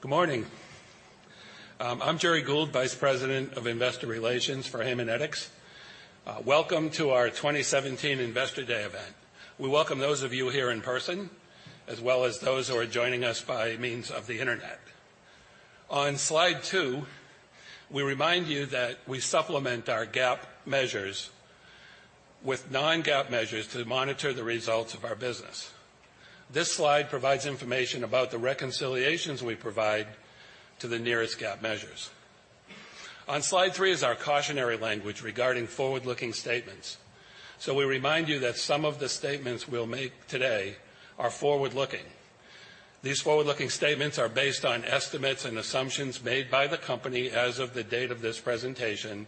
Good morning. I'm Gerry Gould, Vice President of Investor Relations for Haemonetics. Welcome to our 2017 Investor Day event. We welcome those of you here in person, as well as those who are joining us by means of the internet. On slide two, we remind you that we supplement our GAAP measures with non-GAAP measures to monitor the results of our business. This slide provides information about the reconciliations we provide to the nearest GAAP measures. On slide three is our cautionary language regarding forward-looking statements. We remind you that some of the statements we'll make today are forward-looking. These forward-looking statements are based on estimates and assumptions made by the company as of the date of this presentation,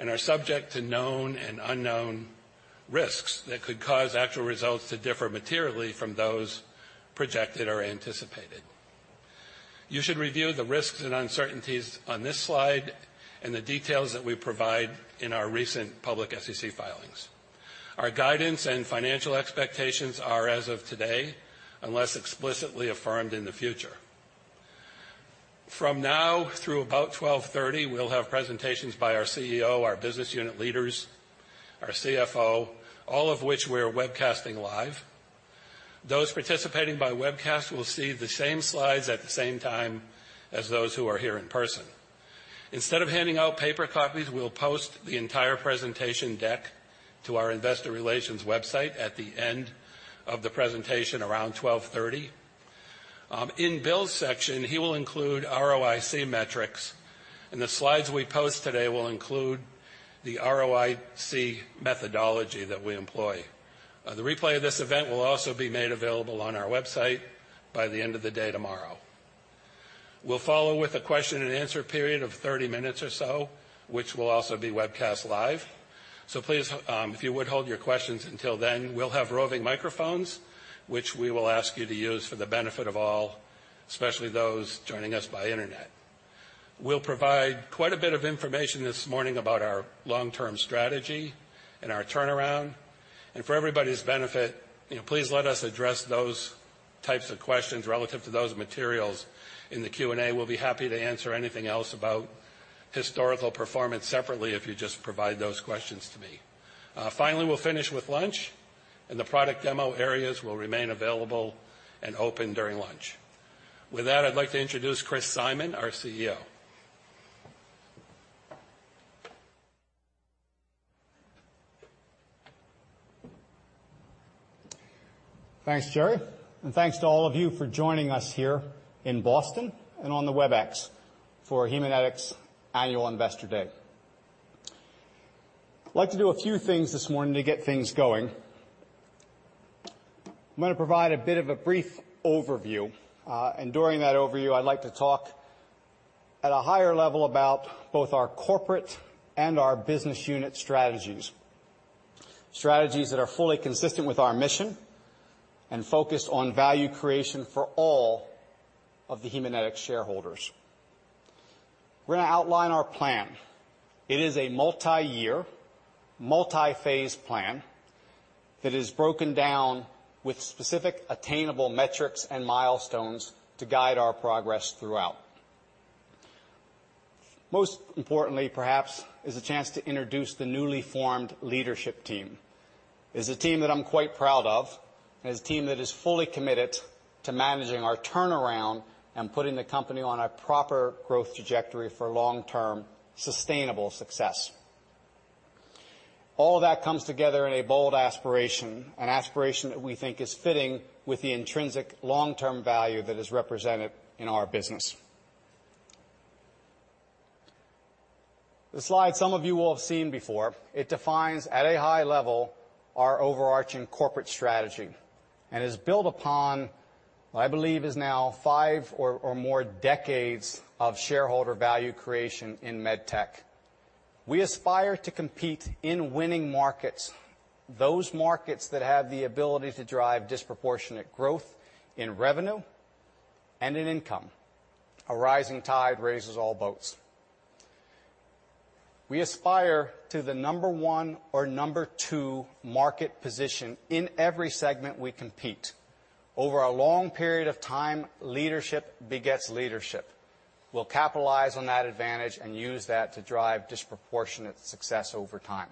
and are subject to known and unknown risks that could cause actual results to differ materially from those projected or anticipated. You should review the risks and uncertainties on this slide and the details that we provide in our recent public SEC filings. Our guidance and financial expectations are as of today, unless explicitly affirmed in the future. From now through about 12:30 P.M., we'll have presentations by our CEO, our business unit leaders, our CFO, all of which we're webcasting live. Those participating by webcast will see the same slides at the same time as those who are here in person. Instead of handing out paper copies, we'll post the entire presentation deck to our investor relations website at the end of the presentation, around 12:30 P.M. In Bill's section, he will include ROIC metrics, and the slides we post today will include the ROIC methodology that we employ. The replay of this event will also be made available on our website by the end of the day tomorrow. We'll follow with a question and answer period of 30 minutes or so, which will also be webcast live. Please, if you would hold your questions until then. We'll have roving microphones, which we will ask you to use for the benefit of all, especially those joining us by internet. We'll provide quite a bit of information this morning about our long-term strategy and our turnaround. For everybody's benefit, please let us address those types of questions relative to those materials in the Q&A. We'll be happy to answer anything else about historical performance separately if you just provide those questions to me. Finally, we'll finish with lunch, and the product demo areas will remain available and open during lunch. With that, I'd like to introduce Christopher Simon, our CEO. Thanks, Gerry, and thanks to all of you for joining us here in Boston and on the Webex for Haemonetics Annual Investor Day. I'd like to do a few things this morning to get things going. I'm going to provide a bit of a brief overview, and during that overview, I'd like to talk at a higher level about both our corporate and our business unit strategies that are fully consistent with our mission and focused on value creation for all of the Haemonetics shareholders. We're going to outline our plan. It is a multi-year, multi-phase plan that is broken down with specific attainable metrics and milestones to guide our progress throughout. Most importantly, perhaps, is a chance to introduce the newly formed leadership team. It is a team that I'm quite proud of. It is a team that is fully committed to managing our turnaround and putting the company on a proper growth trajectory for long-term sustainable success. All that comes together in a bold aspiration, an aspiration that we think is fitting with the intrinsic long-term value that is represented in our business. The slide some of you will have seen before, it defines, at a high level, our overarching corporate strategy and is built upon what I believe is now five or more decades of shareholder value creation in med tech. We aspire to compete in winning markets, those markets that have the ability to drive disproportionate growth in revenue and in income. A rising tide raises all boats. We aspire to the number one or number two market position in every segment we compete. Over a long period of time, leadership begets leadership. Thirdly, we'll capitalize on that advantage and use that to drive disproportionate success over time.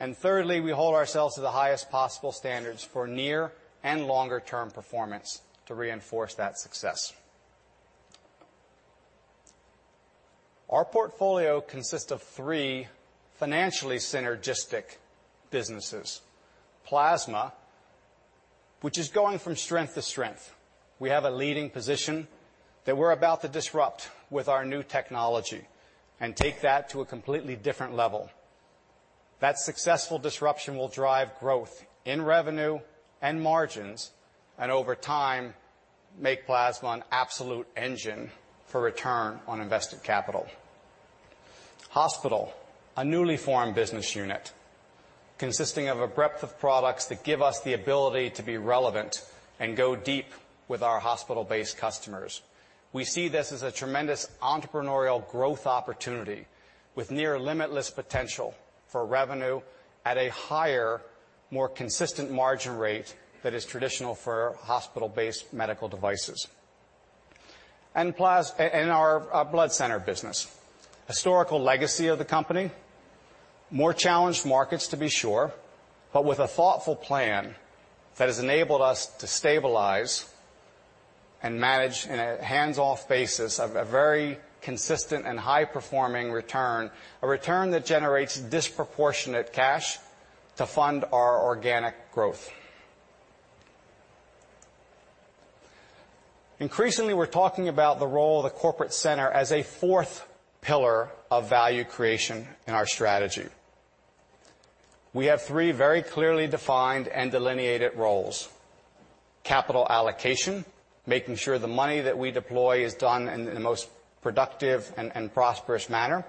We hold ourselves to the highest possible standards for near and longer-term performance to reinforce that success. Our portfolio consists of three financially synergistic businesses. Plasma, which is going from strength to strength. We have a leading position that we're about to disrupt with our new technology and take that to a completely different level. That successful disruption will drive growth in revenue and margins, and over time make Plasma an absolute engine for return on invested capital. Hospital, a newly formed business unit consisting of a breadth of products that give us the ability to be relevant and go deep with our hospital-based customers. We see this as a tremendous entrepreneurial growth opportunity with near limitless potential for revenue at a higher more consistent margin rate that is traditional for hospital-based medical devices. Our Blood Center Business, historical legacy of the company, more challenged markets to be sure, but with a thoughtful plan that has enabled us to stabilize and manage in a hands-off basis of a very consistent and high-performing return, a return that generates disproportionate cash to fund our organic growth. Increasingly, we're talking about the role of the corporate center as a fourth pillar of value creation in our strategy. We have three very clearly defined and delineated roles, capital allocation, making sure the money that we deploy is done in the most productive and prosperous manner.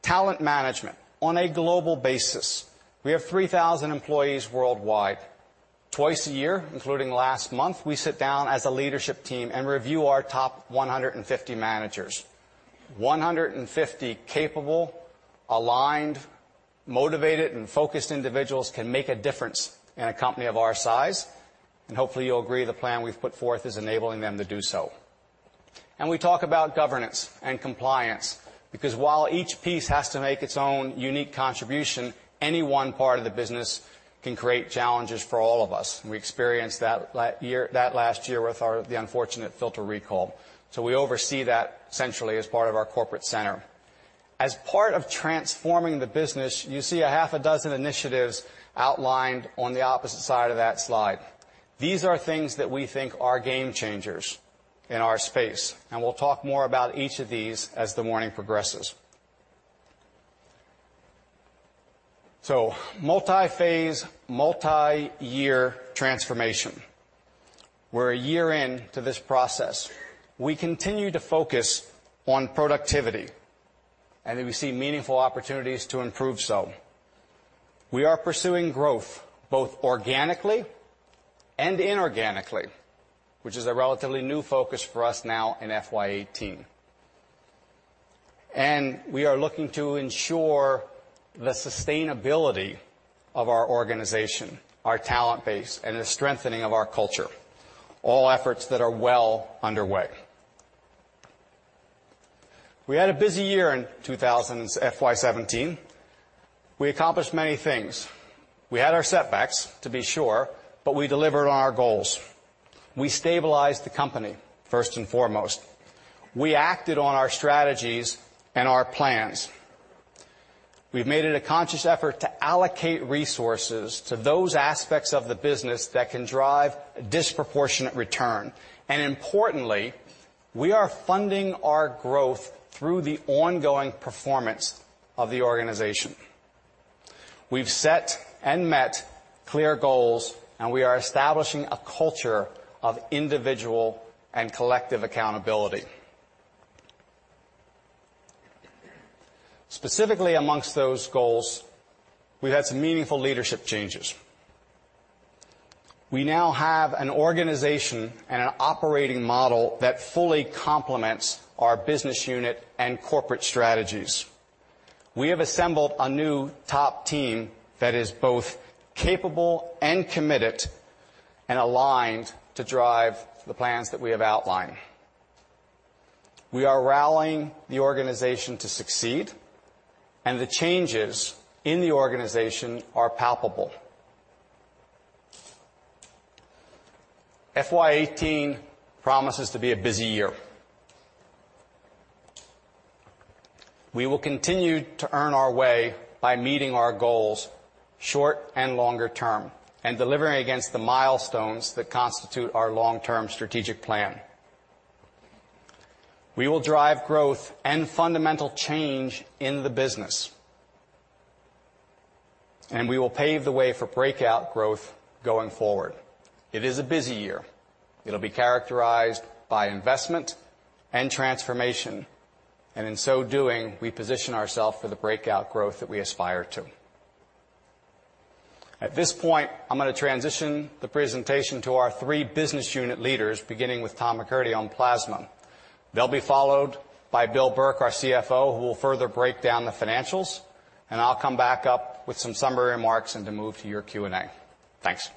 Talent management on a global basis. We have 3,000 employees worldwide. Twice a year, including last month, we sit down as a leadership team and review our top 150 managers. 150 capable, aligned, motivated, and focused individuals can make a difference in a company of our size. Hopefully, you'll agree the plan we've put forth is enabling them to do so. We talk about governance and compliance, because while each piece has to make its own unique contribution, any one part of the business can create challenges for all of us, and we experienced that last year with the unfortunate filter recall. We oversee that centrally as part of our corporate center. As part of transforming the business, you see a half a dozen initiatives outlined on the opposite side of that slide. These are things that we think are game changers in our space. We'll talk more about each of these as the morning progresses. Multi-phase, multi-year transformation. We're a year in to this process. We continue to focus on productivity, and we see meaningful opportunities to improve so. We are pursuing growth both organically and inorganically, which is a relatively new focus for us now in FY 2018. We are looking to ensure the sustainability of our organization, our talent base, and the strengthening of our culture, all efforts that are well underway. We had a busy year in FY 2017. We accomplished many things. We had our setbacks, to be sure, but we delivered on our goals. We stabilized the company, first and foremost. We acted on our strategies and our plans. We've made it a conscious effort to allocate resources to those aspects of the business that can drive disproportionate return. Importantly, we are funding our growth through the ongoing performance of the organization. We've set and met clear goals, and we are establishing a culture of individual and collective accountability. Specifically amongst those goals, we've had some meaningful leadership changes. We now have an organization and an operating model that fully complements our business unit and corporate strategies. We have assembled a new top team that is both capable and committed and aligned to drive the plans that we have outlined. We are rallying the organization to succeed, and the changes in the organization are palpable. FY 2018 promises to be a busy year. We will continue to earn our way by meeting our goals short and longer term, and delivering against the milestones that constitute our long-term strategic plan. We will drive growth and fundamental change in the business, and we will pave the way for breakout growth going forward. It is a busy year. It'll be characterized by investment and transformation, and in so doing, we position ourself for the breakout growth that we aspire to. At this point, I'm going to transition the presentation to our three business unit leaders, beginning with Tom McCurdy on Plasma. They'll be followed by Bill Burke, our CFO, who will further break down the financials, and I'll come back up with some summary remarks and to move to your Q&A. Thanks.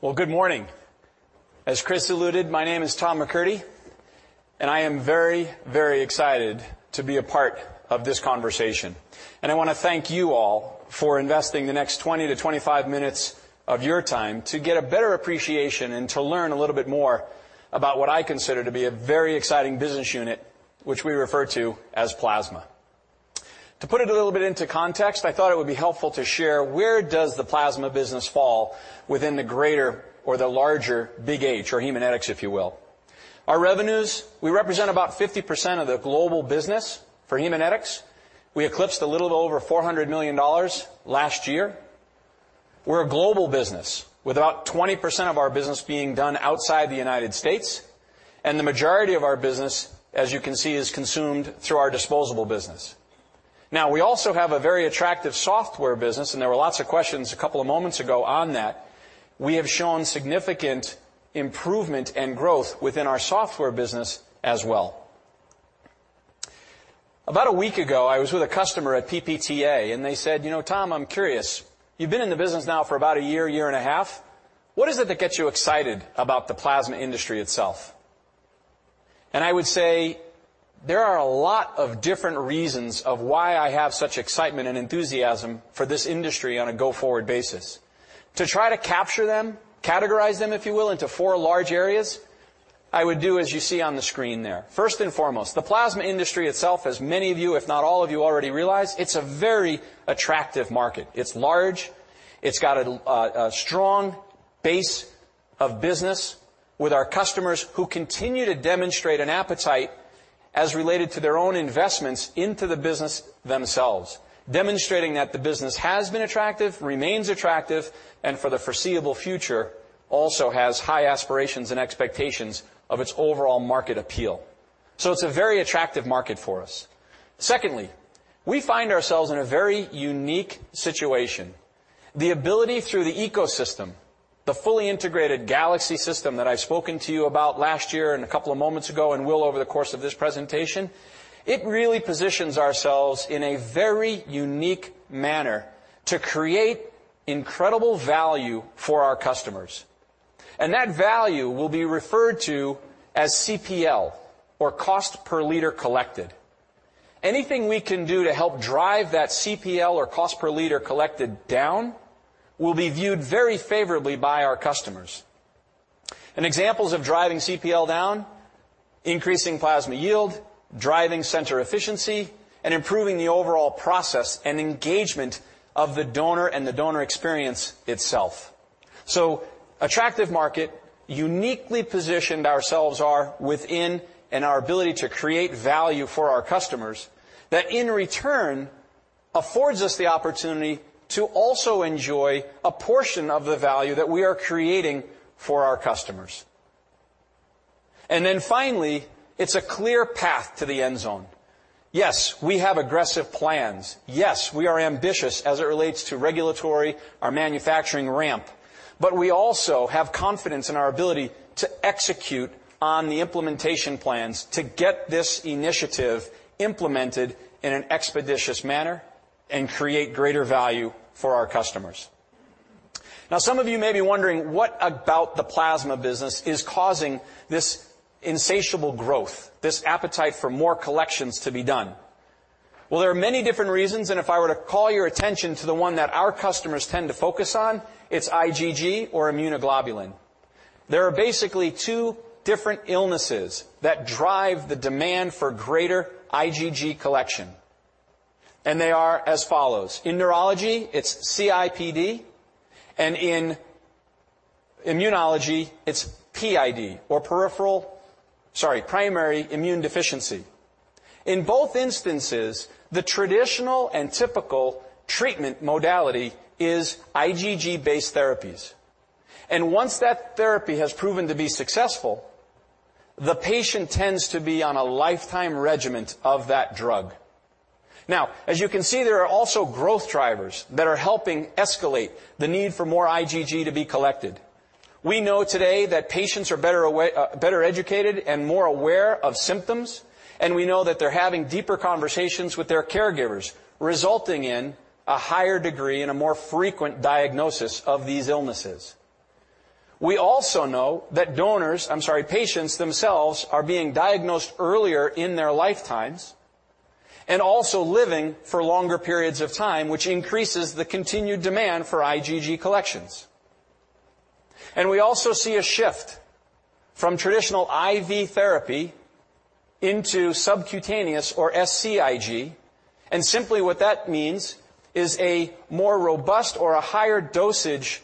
Well, good morning. As Chris alluded, my name is Tom McCurdy, and I am very, very excited to be a part of this conversation. I want to thank you all for investing the next 20-25 minutes of your time to get a better appreciation and to learn a little bit more about what I consider to be a very exciting business unit, which we refer to as Plasma. To put it a little bit into context, I thought it would be helpful to share where does the Plasma business fall within the greater or the larger big H, or Haemonetics, if you will. Our revenues, we represent about 50% of the global business for Haemonetics. We eclipsed a little over $400 million last year. We're a global business, with about 20% of our business being done outside the U.S., and the majority of our business, as you can see, is consumed through our disposable business. We also have a very attractive software business, and there were lots of questions a couple of moments ago on that. We have shown significant improvement and growth within our software business as well. About a week ago, I was with a customer at PPTA, and they said, "Tom, I'm curious. You've been in the business now for about a year and a half. What is it that gets you excited about the plasma industry itself?" And I would say there are a lot of different reasons of why I have such excitement and enthusiasm for this industry on a go-forward basis. To try to capture them, categorize them, if you will, into four large areas, I would do as you see on the screen there. First and foremost, the plasma industry itself, as many of you, if not all of you, already realize, it's a very attractive market. It's large. It's got a strong base of business with our customers who continue to demonstrate an appetite as related to their own investments into the business themselves, demonstrating that the business has been attractive, remains attractive, and for the foreseeable future, also has high aspirations and expectations of its overall market appeal. Secondly, we find ourselves in a very unique situation. The ability through the ecosystem, the fully integrated Galaxy system that I've spoken to you about last year and a couple of moments ago and will over the course of this presentation, it really positions ourselves in a very unique manner to create incredible value for our customers. That value will be referred to as CPL, or cost per liter collected. Anything we can do to help drive that CPL or cost per liter collected down will be viewed very favorably by our customers. Examples of driving CPL down, increasing plasma yield, driving center efficiency, and improving the overall process and engagement of the donor and the donor experience itself. Attractive market, uniquely positioned ourselves are within, and our ability to create value for our customers that in return affords us the opportunity to also enjoy a portion of the value that we are creating for our customers. Finally, it's a clear path to the end zone. Yes, we have aggressive plans. Yes, we are ambitious as it relates to regulatory, our manufacturing ramp, but we also have confidence in our ability to execute on the implementation plans to get this initiative implemented in an expeditious manner and create greater value for our customers. Some of you may be wondering, what about the plasma business is causing this insatiable growth, this appetite for more collections to be done? Well, there are many different reasons, and if I were to call your attention to the one that our customers tend to focus on, it's IgG or immunoglobulin. There are basically two different illnesses that drive the demand for greater IgG collection, and they are as follows. In neurology, it's CIDP, and in immunology, it's PID or primary immune deficiency. In both instances, the traditional and typical treatment modality is IgG-based therapies. Once that therapy has proven to be successful, the patient tends to be on a lifetime regimen of that drug. As you can see, there are also growth drivers that are helping escalate the need for more IgG to be collected. We know today that patients are better educated and more aware of symptoms, and we know that they're having deeper conversations with their caregivers, resulting in a higher degree and a more frequent diagnosis of these illnesses. We also know that donors, patients themselves are being diagnosed earlier in their lifetimes and also living for longer periods of time, which increases the continued demand for IgG collections. We also see a shift from traditional IV therapy into subcutaneous or SCIG, and simply what that means is a more robust or a higher dosage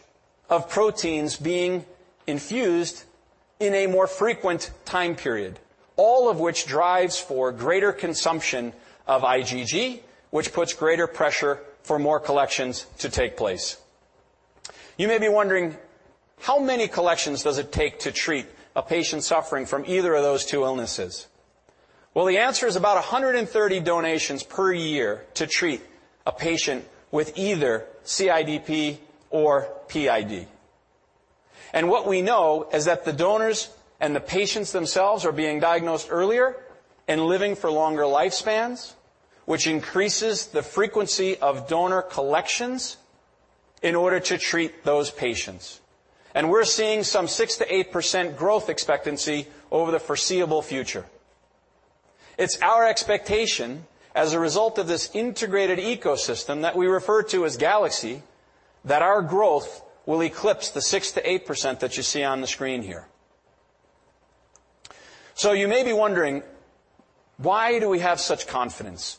of proteins being infused in a more frequent time period. All of which drives for greater consumption of IgG, which puts greater pressure for more collections to take place. You may be wondering, how many collections does it take to treat a patient suffering from either of those two illnesses? The answer is about 130 donations per year to treat a patient with either CIDP or PID. What we know is that the donors and the patients themselves are being diagnosed earlier and living for longer lifespans, which increases the frequency of donor collections in order to treat those patients. We're seeing some 6% to 8% growth expectancy over the foreseeable future. It's our expectation, as a result of this integrated ecosystem that we refer to as Galaxy, that our growth will eclipse the 6% to 8% that you see on the screen here. You may be wondering, why do we have such confidence?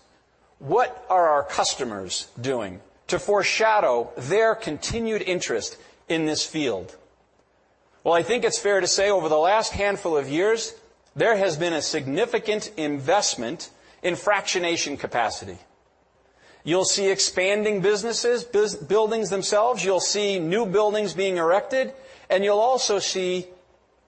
What are our customers doing to foreshadow their continued interest in this field? I think it's fair to say over the last handful of years, there has been a significant investment in fractionation capacity. You'll see expanding businesses, buildings themselves. You'll see new buildings being erected, and you'll also see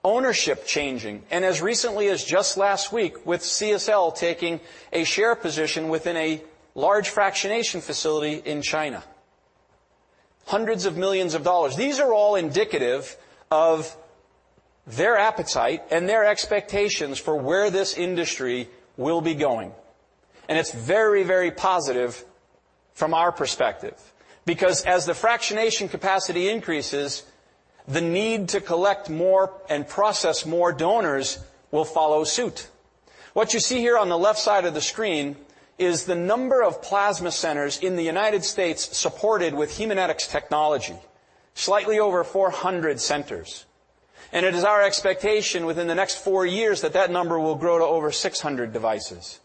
ownership changing, and as recently as just last week with CSL taking a share position within a large fractionation facility in China. Hundreds of millions of dollars. These are all indicative of their appetite and their expectations for where this industry will be going. It's very, very positive from our perspective, because as the fractionation capacity increases, the need to collect more and process more donors will follow suit. What you see here on the left side of the screen is the number of plasma centers in the U.S. supported with Haemonetics technology, slightly over 400 centers. It is our expectation within the next four years that that number will grow to over 600 devices.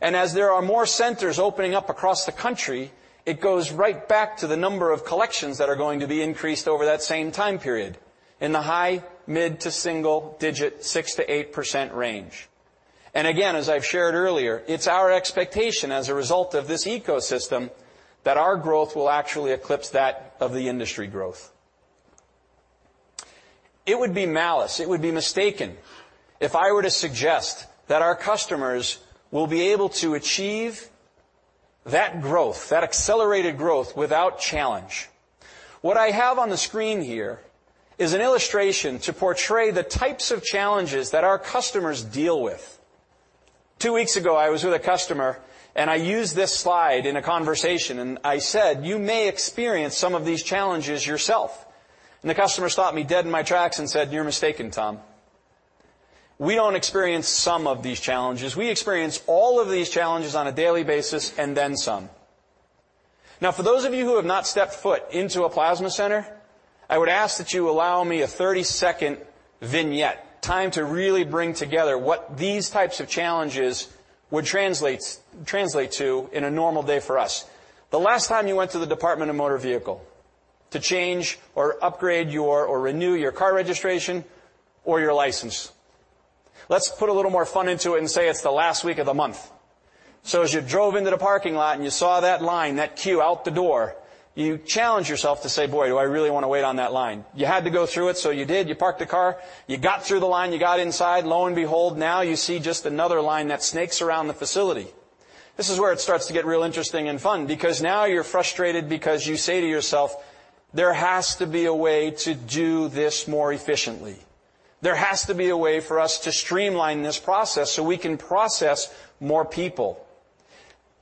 As there are more centers opening up across the country, it goes right back to the number of collections that are going to be increased over that same time period, in the high mid to single digit, 6%-8% range. Again, as I've shared earlier, it's our expectation as a result of this ecosystem, that our growth will actually eclipse that of the industry growth. It would be malice, it would be mistaken if I were to suggest that our customers will be able to achieve that growth, that accelerated growth, without challenge. What I have on the screen here is an illustration to portray the types of challenges that our customers deal with. Two weeks ago, I was with a customer, and I used this slide in a conversation, and I said, "You may experience some of these challenges yourself." The customer stopped me dead in my tracks and said, "You're mistaken, Tom. We don't experience some of these challenges. We experience all of these challenges on a daily basis and then some." For those of you who have not stepped foot into a plasma center, I would ask that you allow me a 30-second vignette, time to really bring together what these types of challenges would translate to in a normal day for us. The last time you went to the Department of Motor Vehicle to change or upgrade or renew your car registration or your license. Let's put a little more fun into it and say it's the last week of the month. As you drove into the parking lot and you saw that line, that queue out the door, you challenged yourself to say, "Boy, do I really want to wait on that line?" You had to go through it, so you did. You parked the car. You got through the line. You got inside. Lo and behold, now you see just another line that snakes around the facility. This is where it starts to get real interesting and fun because now you're frustrated because you say to yourself, "There has to be a way to do this more efficiently. There has to be a way for us to streamline this process so we can process more people."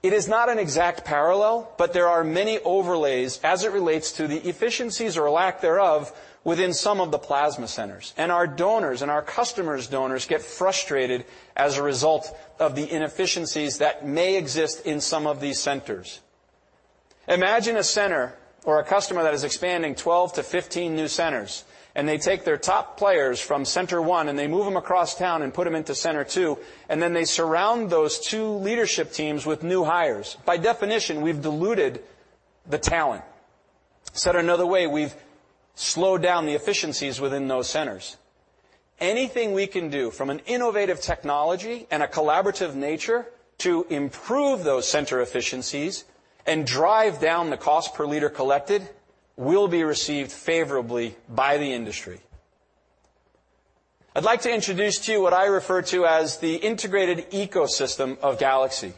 It is not an exact parallel, but there are many overlays as it relates to the efficiencies or lack thereof within some of the plasma centers. Our donors and our customers' donors get frustrated as a result of the inefficiencies that may exist in some of these centers. Imagine a center or a customer that is expanding 12-15 new centers, and they take their top players from center one and they move them across town and put them into center two, and then they surround those two leadership teams with new hires. By definition, we've diluted the talent. Said another way, we've slowed down the efficiencies within those centers. Anything we can do from an innovative technology and a collaborative nature to improve those center efficiencies and drive down the cost per liter collected will be received favorably by the industry. I'd like to introduce to you what I refer to as the integrated ecosystem of Galaxy.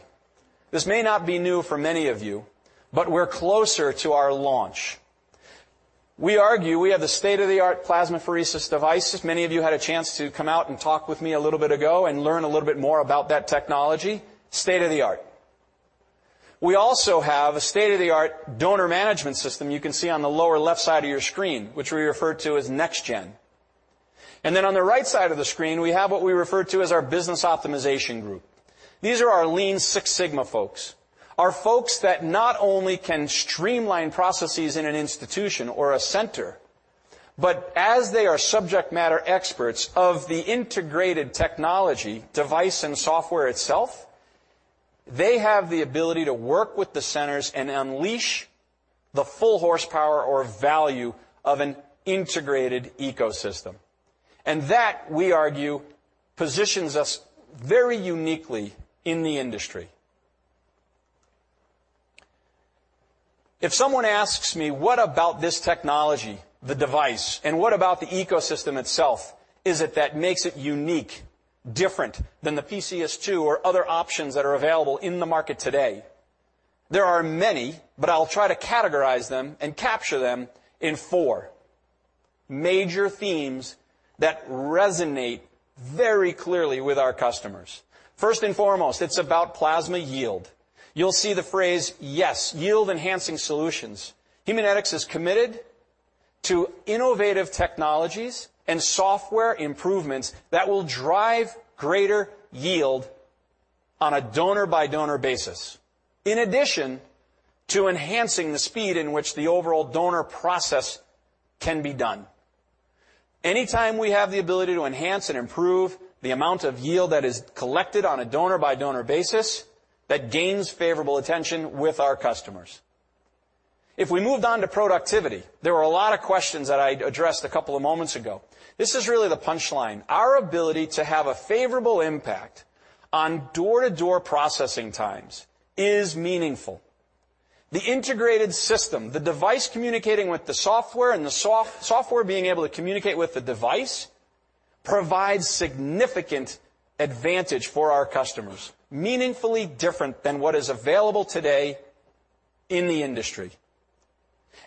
This may not be new for many of you, but we're closer to our launch. We argue we have the state-of-the-art plasmapheresis devices. Many of you had a chance to come out and talk with me a little bit ago and learn a little bit more about that technology. State-of-the-art. We also have a state-of-the-art donor management system you can see on the lower-left side of your screen, which we refer to as NexGen. On the right side of the screen, we have what we refer to as our business optimization group. These are our Lean Six Sigma folks, our folks that not only can streamline processes in an institution or a center, but as they are subject matter experts of the integrated technology, device, and software itself, they have the ability to work with the centers and unleash the full horsepower or value of an integrated ecosystem. That, we argue, positions us very uniquely in the industry. If someone asks me, what about this technology, the device, and what about the ecosystem itself is it that makes it unique, different than the PCS2 or other options that are available in the market today? There are many, but I'll try to categorize them and capture them in four major themes that resonate very clearly with our customers. First and foremost, it's about plasma yield. You'll see the phrase YES, Yield Enhancing Solutions. Haemonetics is committed to innovative technologies and software improvements that will drive greater yield on a donor-by-donor basis, in addition to enhancing the speed in which the overall donor process can be done. Anytime we have the ability to enhance and improve the amount of yield that is collected on a donor-by-donor basis, that gains favorable attention with our customers. If we moved on to productivity, there were a lot of questions that I addressed a couple of moments ago. This is really the punchline. Our ability to have a favorable impact on door-to-door processing times is meaningful. The integrated system, the device communicating with the software, and the software being able to communicate with the device, provides significant advantage for our customers, meaningfully different than what is available today in the industry.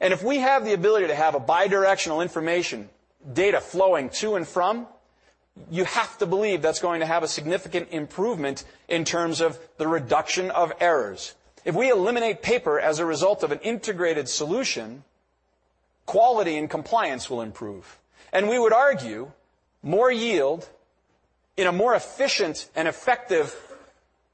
If we have the ability to have a bi-directional information data flowing to and from, you have to believe that's going to have a significant improvement in terms of the reduction of errors. If we eliminate paper as a result of an integrated solution, quality and compliance will improve. We would argue more yield in a more efficient and effective,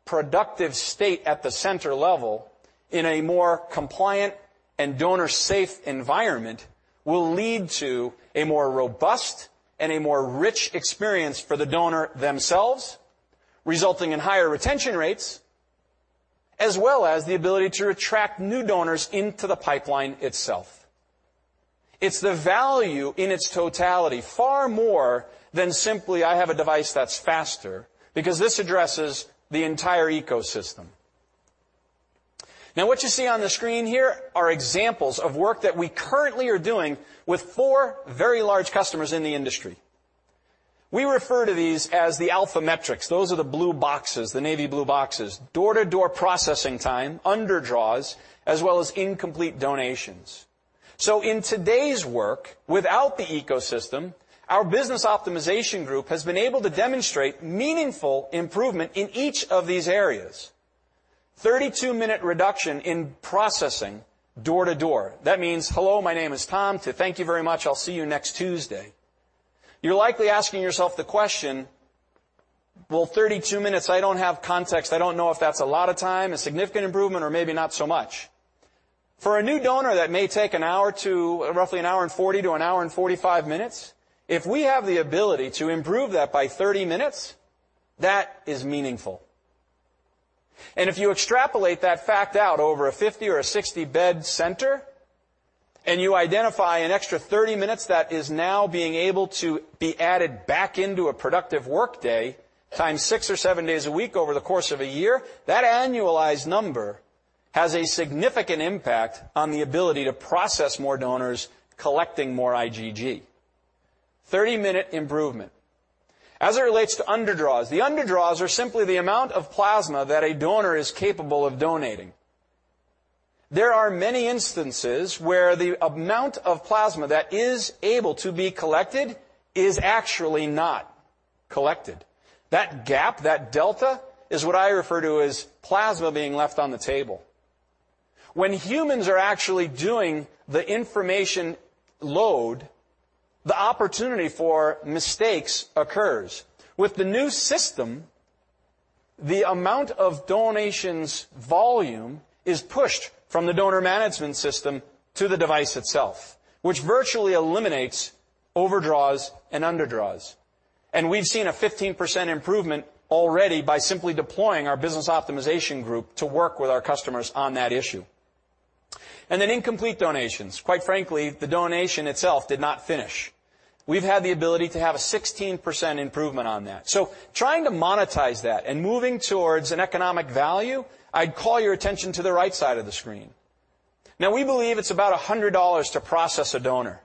productive state at the center level, in a more compliant and donor-safe environment, will lead to a more robust and a more rich experience for the donor themselves, resulting in higher retention rates, as well as the ability to attract new donors into the pipeline itself. It's the value in its totality, far more than simply, "I have a device that's faster," because this addresses the entire ecosystem. Now, what you see on the screen here are examples of work that we currently are doing with four very large customers in the industry. We refer to these as the alpha metrics. Those are the blue boxes, the navy blue boxes. Door-to-door processing time, underdraws, as well as incomplete donations. In today's work, without the ecosystem, our business optimization group has been able to demonstrate meaningful improvement in each of these areas. 32-minute reduction in processing door to door. That means, "Hello, my name is Tom," to "Thank you very much, I'll see you next Tuesday." You're likely asking yourself the question, "Well, 32 minutes, I don't have context. I don't know if that's a lot of time, a significant improvement, or maybe not so much." For a new donor, that may take roughly an hour and 40 to an hour and 45 minutes. If we have the ability to improve that by 30 minutes, that is meaningful. If you extrapolate that fact out over a 50 or a 60-bed center, and you identify an extra 30 minutes that is now being able to be added back into a productive workday, times six or seven days a week over the course of a year, that annualized number has a significant impact on the ability to process more donors, collecting more IgG. 30-minute improvement. As it relates to underdraws, the underdraws are simply the amount of plasma that a donor is capable of donating. There are many instances where the amount of plasma that is able to be collected is actually not collected. That gap, that delta, is what I refer to as plasma being left on the table. When humans are actually doing the information load, the opportunity for mistakes occurs. With the new system, the amount of donations volume is pushed from the donor management system to the device itself, which virtually eliminates overdraws and underdraws. We've seen a 15% improvement already by simply deploying our business optimization group to work with our customers on that issue. Incomplete donations. Quite frankly, the donation itself did not finish. We've had the ability to have a 16% improvement on that. Trying to monetize that and moving towards an economic value, I'd call your attention to the right side of the screen. Now, we believe it's about $100 to process a donor.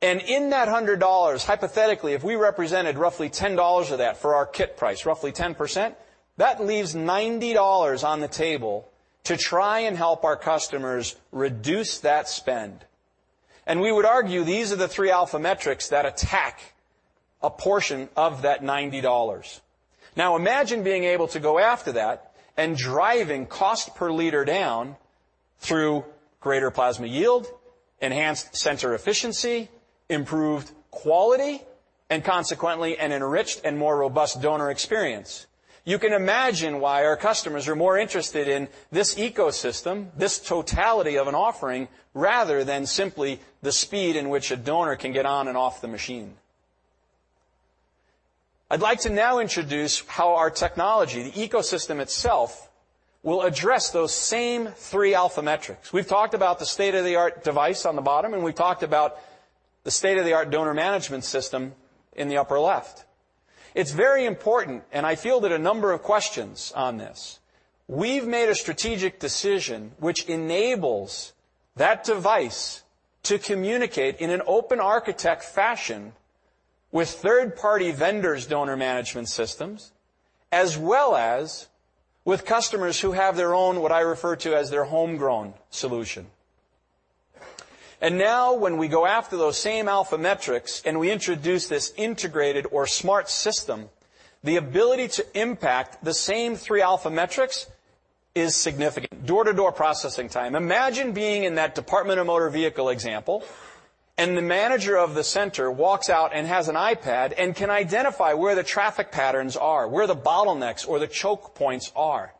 In that $100, hypothetically, if we represented roughly $10 of that for our kit price, roughly 10%, that leaves $90 on the table to try and help our customers reduce that spend. We would argue these are the three alpha metrics that attack a portion of that $90. Now, imagine being able to go after that and driving cost per liter down through greater plasma yield, enhanced center efficiency, improved quality, and consequently, an enriched and more robust donor experience. You can imagine why our customers are more interested in this ecosystem, this totality of an offering, rather than simply the speed in which a donor can get on and off the machine. I'd like to now introduce how our technology, the ecosystem itself, will address those same three alpha metrics. We've talked about the state-of-the-art device on the bottom, and we've talked about the state-of-the-art donor management system in the upper left. It's very important, and I field that a number of questions on this. We've made a strategic decision which enables that device to communicate in an open architect fashion with third-party vendors' donor management systems, as well as with customers who have their own, what I refer to as their homegrown solution. Now, when we go after those same alpha metrics and we introduce this integrated or smart system, the ability to impact the same three alpha metrics is significant. Door-to-door processing time. Imagine being in that Department of Motor Vehicle example. The manager of the center walks out and has an iPad and can identify where the traffic patterns are, where the bottlenecks or the choke points are.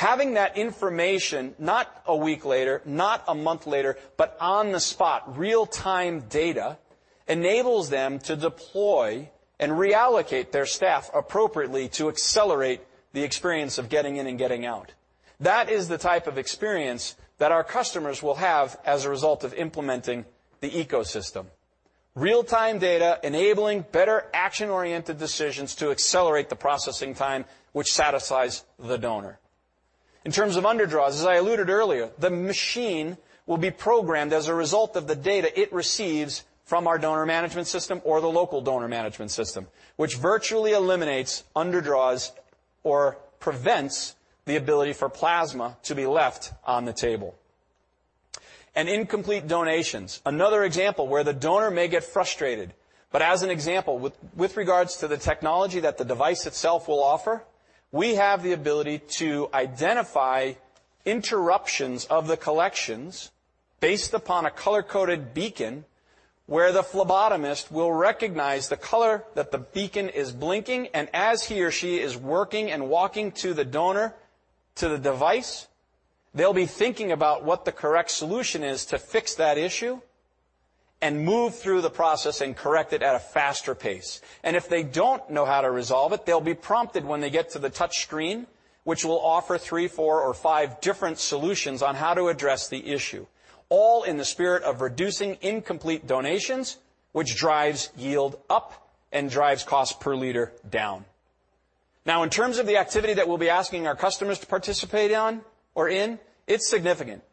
On the spot, real-time data, enables them to deploy and reallocate their staff appropriately to accelerate the experience of getting in and getting out. That is the type of experience that our customers will have as a result of implementing the ecosystem. Real-time data enabling better action-oriented decisions to accelerate the processing time, which satisfies the donor. In terms of underdraws, as I alluded earlier, the machine will be programmed as a result of the data it receives from our donor management system or the local donor management system, which virtually eliminates underdraws or prevents the ability for plasma to be left on the table. Incomplete donations, another example where the donor may get frustrated. As an example, with regards to the technology that the device itself will offer, we have the ability to identify interruptions of the collections based upon a color-coded beacon, where the phlebotomist will recognize the color that the beacon is blinking, and as he or she is working and walking to the donor, to the device, they'll be thinking about what the correct solution is to fix that issue and move through the process and correct it at a faster pace. If they don't know how to resolve it, they'll be prompted when they get to the touch screen, which will offer three, four, or five different solutions on how to address the issue, all in the spirit of reducing incomplete donations, which drives yield up and drives cost per liter down. Now, in terms of the activity that we'll be asking our customers to participate on or in, it's significant.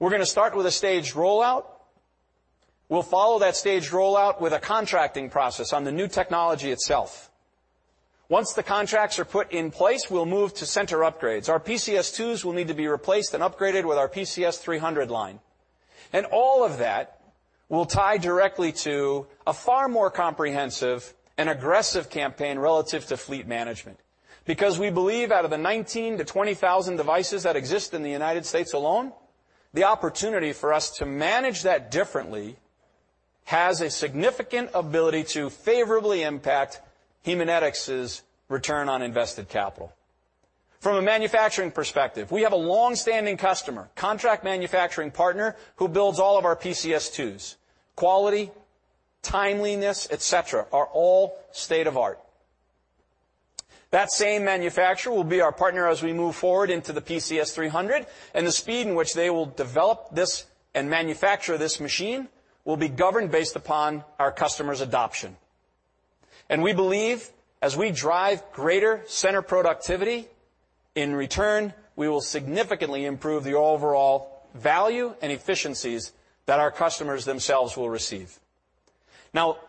We're going to start with a staged rollout. We'll follow that staged rollout with a contracting process on the new technology itself. Once the contracts are put in place, we'll move to center upgrades. Our PCS2s will need to be replaced and upgraded with our PCS 300 line. All of that will tie directly to a far more comprehensive and aggressive campaign relative to fleet management. We believe out of the 19,000 to 20,000 devices that exist in the United States alone, the opportunity for us to manage that differently has a significant ability to favorably impact Haemonetics' return on invested capital. From a manufacturing perspective, we have a long-standing customer, contract manufacturing partner, who builds all of our PCS2s. Quality, timeliness, et cetera, are all state-of-art. That same manufacturer will be our partner as we move forward into the PCS 300, the speed in which they will develop this and manufacture this machine will be governed based upon our customers' adoption. We believe as we drive greater center productivity, in return, we will significantly improve the overall value and efficiencies that our customers themselves will receive.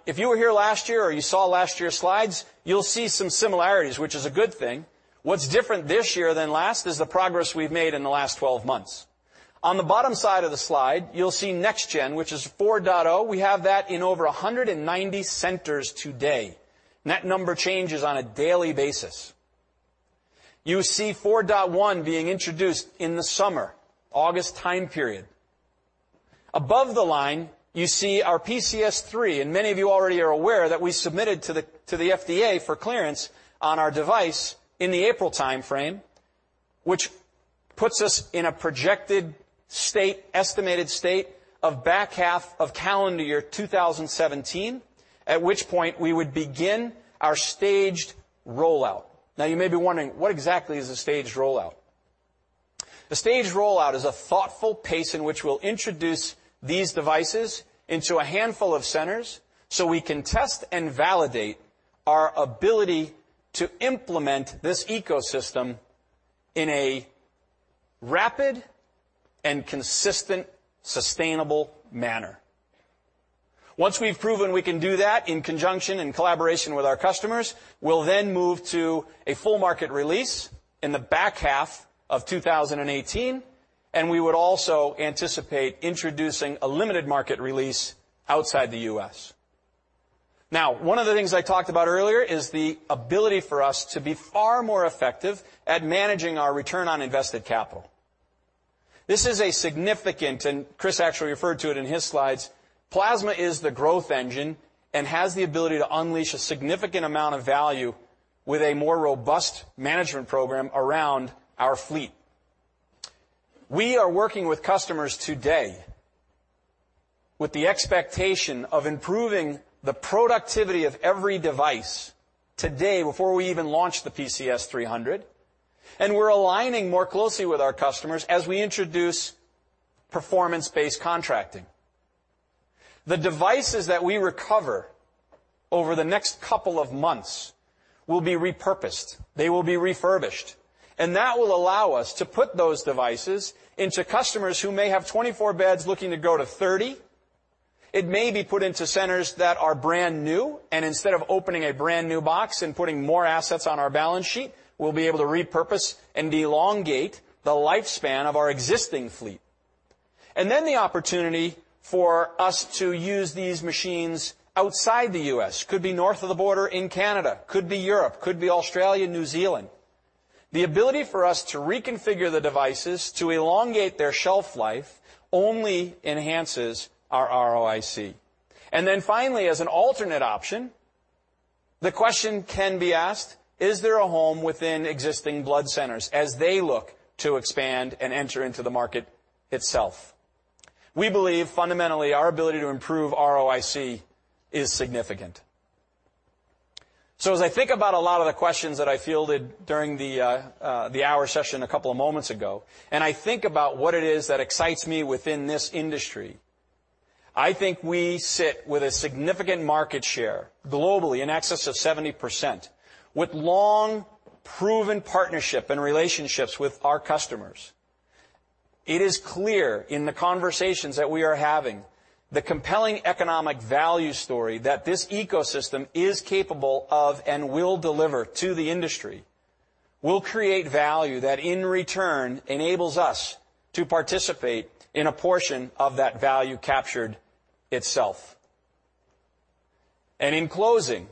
If you were here last year or you saw last year's slides, you'll see some similarities, which is a good thing. What's different this year than last is the progress we've made in the last 12 months. On the bottom side of the slide, you'll see NextGen, which is 4.0. We have that in over 190 centers today. That number changes on a daily basis. You see 4.1 being introduced in the summer, August time period. Above the line, you see our PCS 3. Many of you already are aware that we submitted to the FDA for clearance on our device in the April timeframe, which puts us in a projected state, estimated state, of back half of calendar year 2017, at which point we would begin our staged rollout. You may be wondering, what exactly is a staged rollout? A staged rollout is a thoughtful pace in which we'll introduce these devices into a handful of centers so we can test and validate our ability to implement this ecosystem in a rapid and consistent, sustainable manner. Once we've proven we can do that in conjunction, in collaboration with our customers, we'll then move to a full market release in the back half of 2018. We would also anticipate introducing a limited market release outside the U.S. One of the things I talked about earlier is the ability for us to be far more effective at managing our return on invested capital. This is a significant, Chris actually referred to it in his slides, plasma is the growth engine and has the ability to unleash a significant amount of value with a more robust management program around our fleet. We are working with customers today with the expectation of improving the productivity of every device today before we even launch the PCS 300. We're aligning more closely with our customers as we introduce performance-based contracting. The devices that we recover over the next couple of months will be repurposed. They will be refurbished. That will allow us to put those devices into customers who may have 24 beds looking to go to 30. It may be put into centers that are brand-new, instead of opening a brand-new box and putting more assets on our balance sheet, we'll be able to repurpose and elongate the lifespan of our existing fleet. The opportunity for us to use these machines outside the U.S. Could be north of the border in Canada, could be Europe, could be Australia, New Zealand. The ability for us to reconfigure the devices to elongate their shelf life only enhances our ROIC. Finally, as an alternate option, the question can be asked, is there a home within existing Blood Centers as they look to expand and enter into the market itself? We believe fundamentally our ability to improve ROIC is significant. As I think about a lot of the questions that I fielded during the hour session a couple of moments ago, and I think about what it is that excites me within this industry, I think we sit with a significant market share globally in excess of 70%, with long-proven partnership and relationships with our customers. It is clear in the conversations that we are having, the compelling economic value story that this ecosystem is capable of and will deliver to the industry will create value that, in return, enables us to participate in a portion of that value captured itself. In closing,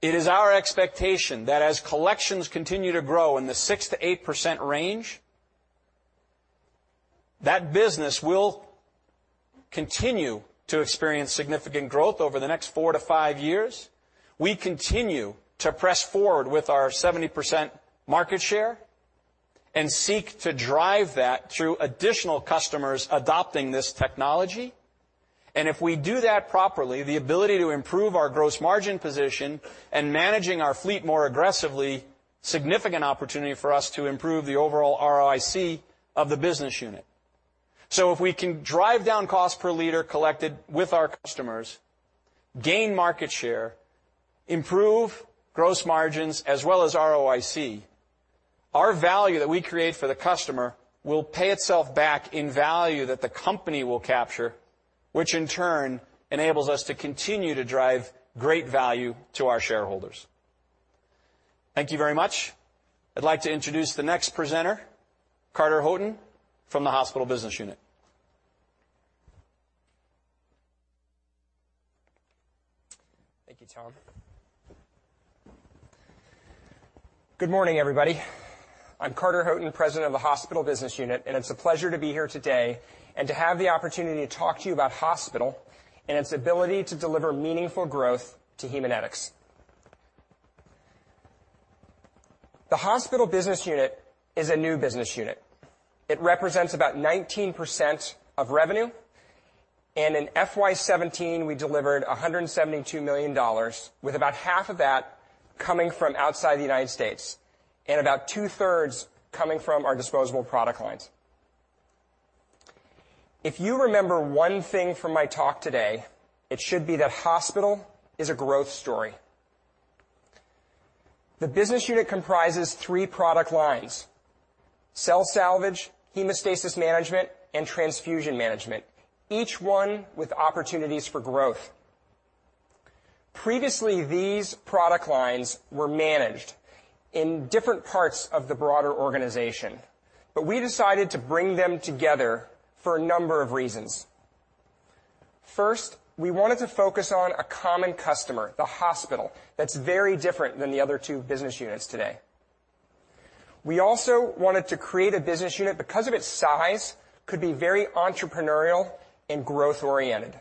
it is our expectation that as collections continue to grow in the 6%-8% range, that business will continue to experience significant growth over the next four to five years. We continue to press forward with our 70% market share and seek to drive that through additional customers adopting this technology. If we do that properly, the ability to improve our gross margin position and managing our fleet more aggressively, significant opportunity for us to improve the overall ROIC of the business unit. If we can drive down cost per liter collected with our customers, gain market share, improve gross margins as well as ROIC, our value that we create for the customer will pay itself back in value that the company will capture, which in turn enables us to continue to drive great value to our shareholders. Thank you very much. I'd like to introduce the next presenter, Carter Houghton from the Hospital Business Unit. Thank you, Tom. Good morning, everybody. I'm Carter Houghton, President of the Hospital Business Unit, and it's a pleasure to be here today and to have the opportunity to talk to you about hospital and its ability to deliver meaningful growth to Haemonetics. The Hospital Business Unit is a new business unit. It represents about 19% of revenue, and in FY 2017, we delivered $172 million, with about half of that coming from outside the United States and about two-thirds coming from our disposable product lines. If you remember one thing from my talk today, it should be that hospital is a growth story. The business unit comprises three product lines: cell salvage, hemostasis management, and transfusion management, each one with opportunities for growth. Previously, these product lines were managed in different parts of the broader organization, but we decided to bring them together for a number of reasons. First, we wanted to focus on a common customer, the hospital, that's very different than the other two business units today. We also wanted to create a business unit, because of its size, could be very entrepreneurial and growth oriented.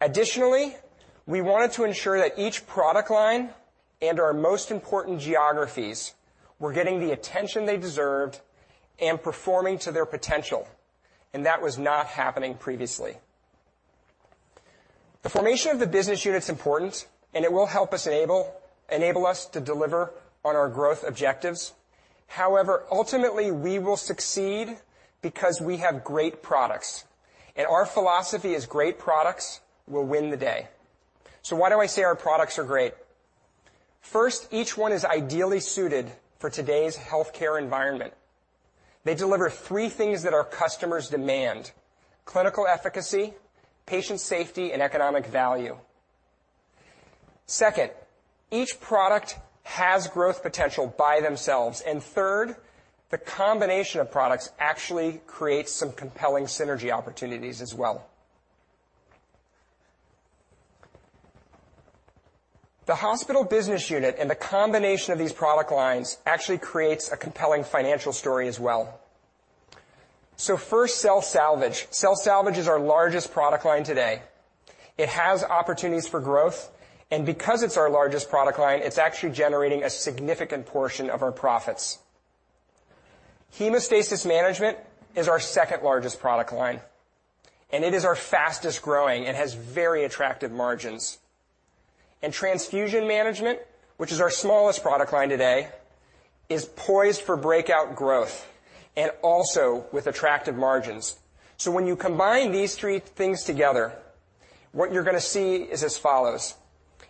Additionally, we wanted to ensure that each product line and our most important geographies were getting the attention they deserved and performing to their potential, and that was not happening previously. The formation of the business unit's important and it will help enable us to deliver on our growth objectives. However, ultimately, we will succeed because we have great products, and our philosophy is great products will win the day. Why do I say our products are great? First, each one is ideally suited for today's healthcare environment. They deliver three things that our customers demand: clinical efficacy, patient safety, and economic value. Second, each product has growth potential by themselves. Third, the combination of products actually creates some compelling synergy opportunities as well. The Hospital Business Unit and the combination of these product lines actually creates a compelling financial story as well. First, cell salvage. Cell salvage is our largest product line today. It has opportunities for growth, and because it's our largest product line, it's actually generating a significant portion of our profits. Hemostasis management is our second-largest product line, and it is our fastest-growing and has very attractive margins. Transfusion management, which is our smallest product line today, is poised for breakout growth and also with attractive margins. When you combine these three things together, what you're going to see is as follows.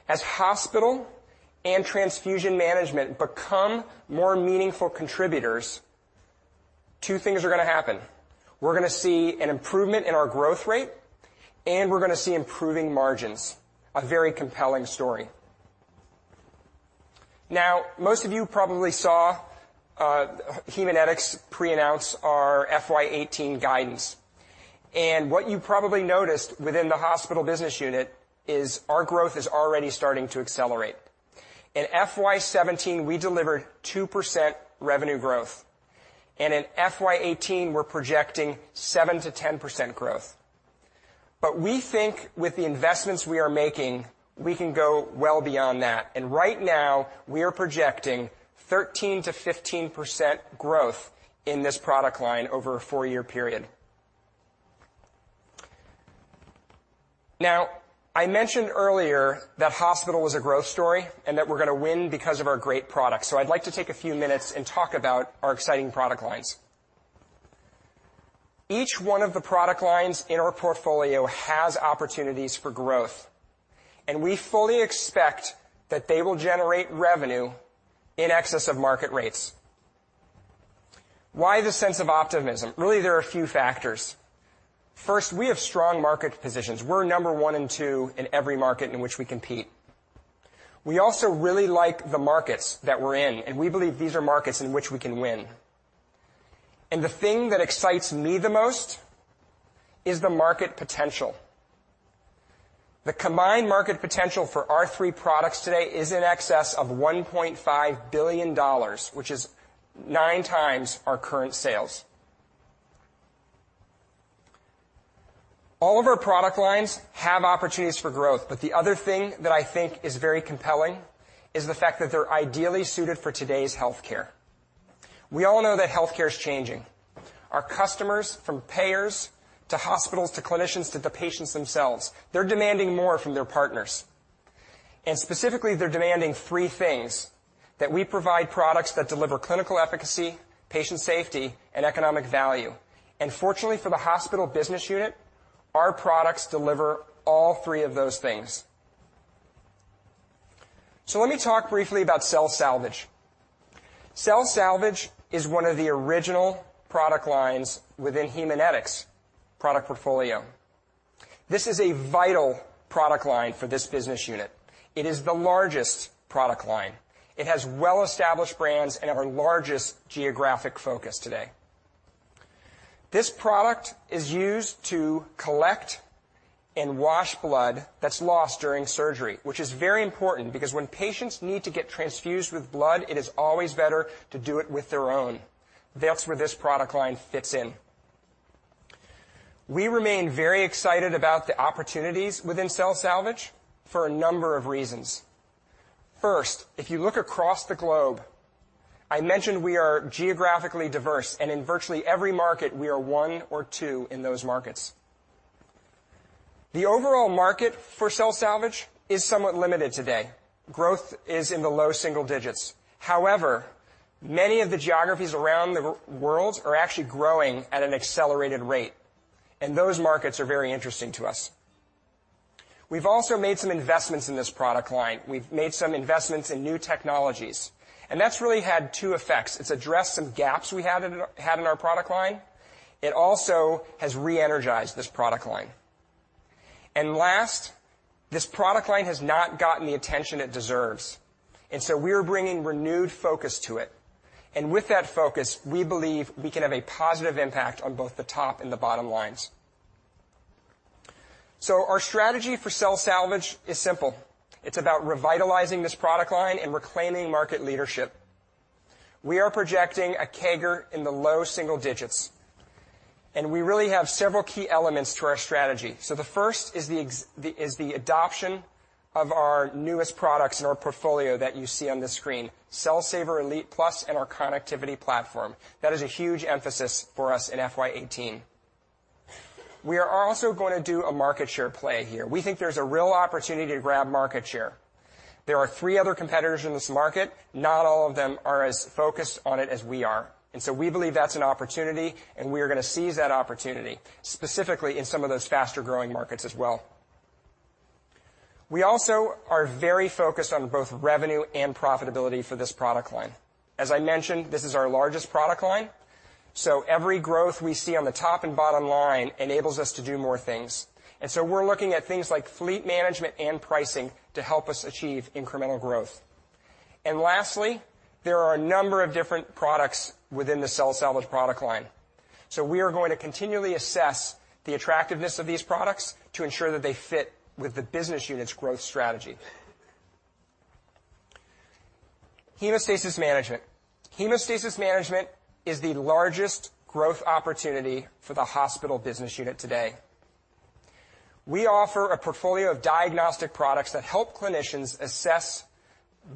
As hospital and transfusion management become more meaningful contributors, two things are going to happen. We're going to see an improvement in our growth rate, and we're going to see improving margins. A very compelling story. Most of you probably saw Haemonetics pre-announce our FY 2018 guidance. What you probably noticed within the Hospital Business Unit is our growth is already starting to accelerate. In FY 2017, we delivered 2% revenue growth, and in FY 2018, we're projecting 7%-10% growth. We think with the investments we are making, we can go well beyond that. Right now, we are projecting 13%-15% growth in this product line over a four-year period. I mentioned earlier that hospital was a growth story and that we're going to win because of our great products. I'd like to take a few minutes and talk about our exciting product lines. Each one of the product lines in our portfolio has opportunities for growth, and we fully expect that they will generate revenue in excess of market rates. Why the sense of optimism? Really, there are a few factors. First, we have strong market positions. We're number one and two in every market in which we compete. We also really like the markets that we're in, and we believe these are markets in which we can win. The thing that excites me the most is the market potential. The combined market potential for our three products today is in excess of $1.5 billion, which is nine times our current sales. All of our product lines have opportunities for growth, the other thing that I think is very compelling is the fact that they're ideally suited for today's healthcare. We all know that healthcare is changing. Our customers, from payers to hospitals to clinicians to the patients themselves, they're demanding more from their partners. Specifically, they're demanding three things: that we provide products that deliver clinical efficacy, patient safety, and economic value. Fortunately for the Hospital Business Unit, our products deliver all three of those things. Let me talk briefly about cell salvage. Cell salvage is one of the original product lines within Haemonetics' product portfolio. This is a vital product line for this business unit. It is the largest product line. It has well-established brands and our largest geographic focus today. This product is used to collect and wash blood that's lost during surgery, which is very important because when patients need to get transfused with blood, it is always better to do it with their own. That's where this product line fits in. We remain very excited about the opportunities within cell salvage for a number of reasons. First, if you look across the globe, I mentioned we are geographically diverse, and in virtually every market, we are one or two in those markets. The overall market for cell salvage is somewhat limited today. Growth is in the low double digits. However, many of the geographies around the world are actually growing at an accelerated rate, and those markets are very interesting to us. We've also made some investments in this product line. We've made some investments in new technologies, and that's really had two effects. It's addressed some gaps we had in our product line. It also has re-energized this product line. Last, this product line has not gotten the attention it deserves. We're bringing renewed focus to it. With that focus, we believe we can have a positive impact on both the top and the bottom lines. Our strategy for cell salvage is simple. It's about revitalizing this product line and reclaiming market leadership. We are projecting a CAGR in the low single digits. We really have several key elements to our strategy. The first is the adoption of our newest products in our portfolio that you see on the screen, Cell Saver Elite+ and our connectivity platform. That is a huge emphasis for us in FY 2018. We are also going to do a market share play here. We think there's a real opportunity to grab market share. There are three other competitors in this market. Not all of them are as focused on it as we are. We believe that's an opportunity. We are going to seize that opportunity, specifically in some of those faster-growing markets as well. We also are very focused on both revenue and profitability for this product line. As I mentioned, this is our largest product line. Every growth we see on the top and bottom line enables us to do more things. We're looking at things like fleet management and pricing to help us achieve incremental growth. Lastly, there are a number of different products within the cell salvage product line. We are going to continually assess the attractiveness of these products to ensure that they fit with the business unit's growth strategy. Hemostasis management. Hemostasis management is the largest growth opportunity for the Hospital Business Unit today. We offer a portfolio of diagnostic products that help clinicians assess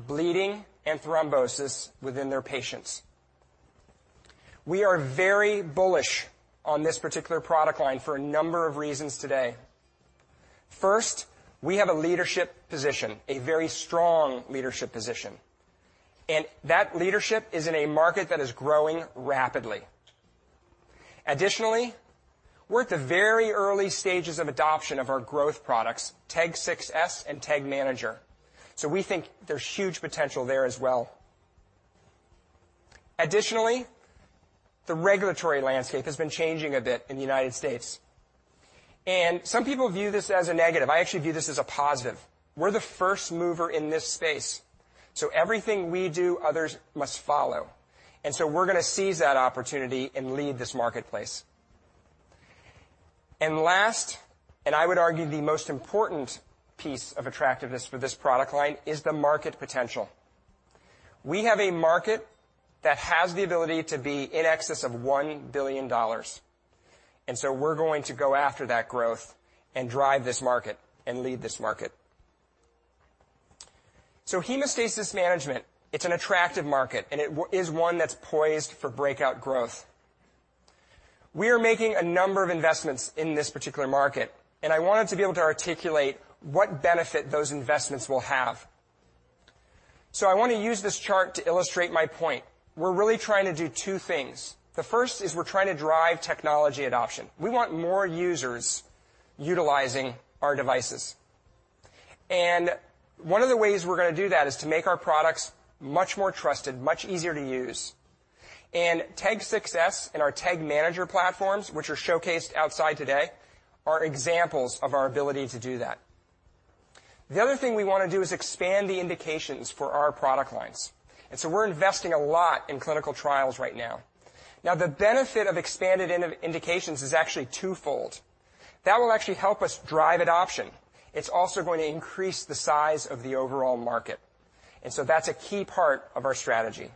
bleeding and thrombosis within their patients. We are very bullish on this particular product line for a number of reasons today. First, we have a leadership position, a very strong leadership position. That leadership is in a market that is growing rapidly. Additionally, we're at the very early stages of adoption of our growth products, TEG 6s and TEG Manager. We think there's huge potential there as well. Additionally, the regulatory landscape has been changing a bit in the U.S. Some people view this as a negative. I actually view this as a positive. We're the first mover in this space. Everything we do, others must follow. We're going to seize that opportunity and lead this marketplace. Last, I would argue the most important piece of attractiveness for this product line is the market potential. We have a market that has the ability to be in excess of $1 billion. We're going to go after that growth and drive this market and lead this market. Hemostasis management, it's an attractive market, and it is one that's poised for breakout growth. We are making a number of investments in this particular market, and I wanted to be able to articulate what benefit those investments will have. I want to use this chart to illustrate my point. We're really trying to do two things. The first is we're trying to drive technology adoption. We want more users utilizing our devices. One of the ways we're going to do that is to make our products much more trusted, much easier to use. TEG 6s and our TEG Manager platforms, which are showcased outside today, are examples of our ability to do that. The other thing we want to do is expand the indications for our product lines. We're investing a lot in clinical trials right now. The benefit of expanded indications is actually twofold. That will actually help us drive adoption. It's also going to increase the size of the overall market. That's a key part of our strategy.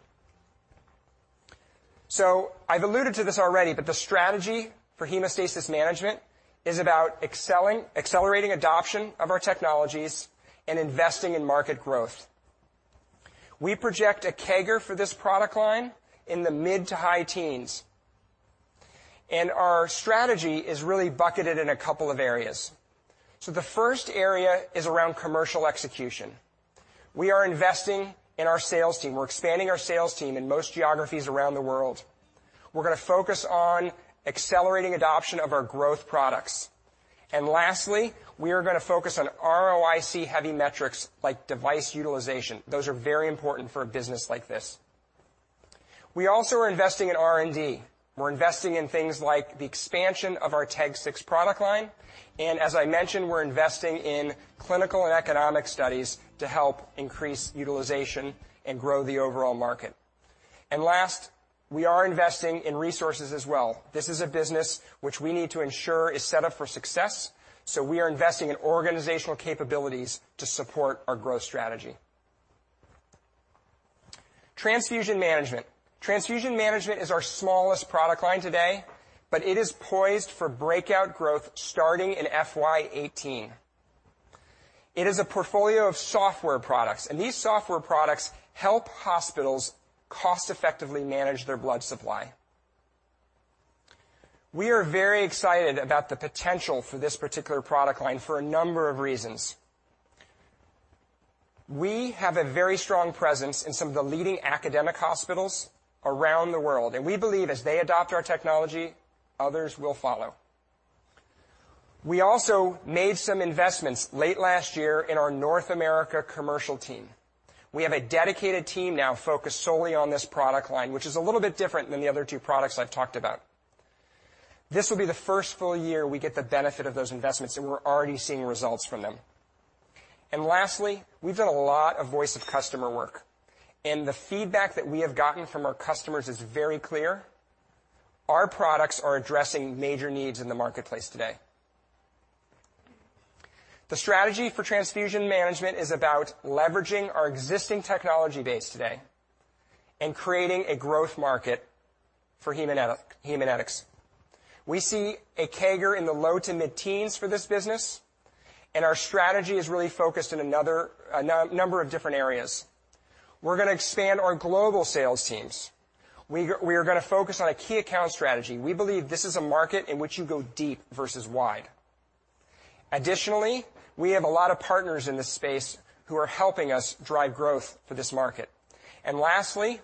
I've alluded to this already, but the strategy for hemostasis management is about accelerating adoption of our technologies and investing in market growth. We project a CAGR for this product line in the mid to high teens. Our strategy is really bucketed in a couple of areas. The first area is around commercial execution. We are investing in our sales team. We're expanding our sales team in most geographies around the world. We're going to focus on accelerating adoption of our growth products. Lastly, we are going to focus on ROIC-heavy metrics like device utilization. Those are very important for a business like this. We also are investing in R&D. We're investing in things like the expansion of our TEG 6 product line. As I mentioned, we're investing in clinical and economic studies to help increase utilization and grow the overall market. Last, we are investing in resources as well. This is a business which we need to ensure is set up for success. We are investing in organizational capabilities to support our growth strategy. Transfusion management. Transfusion management is our smallest product line today, but it is poised for breakout growth starting in FY 2018. It is a portfolio of software products. These software products help hospitals cost-effectively manage their blood supply. We are very excited about the potential for this particular product line for a number of reasons. We have a very strong presence in some of the leading academic hospitals around the world. We believe as they adopt our technology, others will follow. We also made some investments late last year in our North America commercial team. We have a dedicated team now focused solely on this product line, which is a little bit different than the other two products I've talked about. This will be the first full year we get the benefit of those investments. We're already seeing results from them. Lastly, we've done a lot of voice of customer work. The feedback that we have gotten from our customers is very clear. Our products are addressing major needs in the marketplace today. The strategy for transfusion management is about leveraging our existing technology base today and creating a growth market for Haemonetics. We see a CAGR in the low to mid-teens for this business. Our strategy is really focused on a number of different areas. We're going to expand our global sales teams. We are going to focus on a key account strategy. We believe this is a market in which you go deep versus wide. Additionally, we have a lot of partners in this space who are helping us drive growth for this market. Lastly,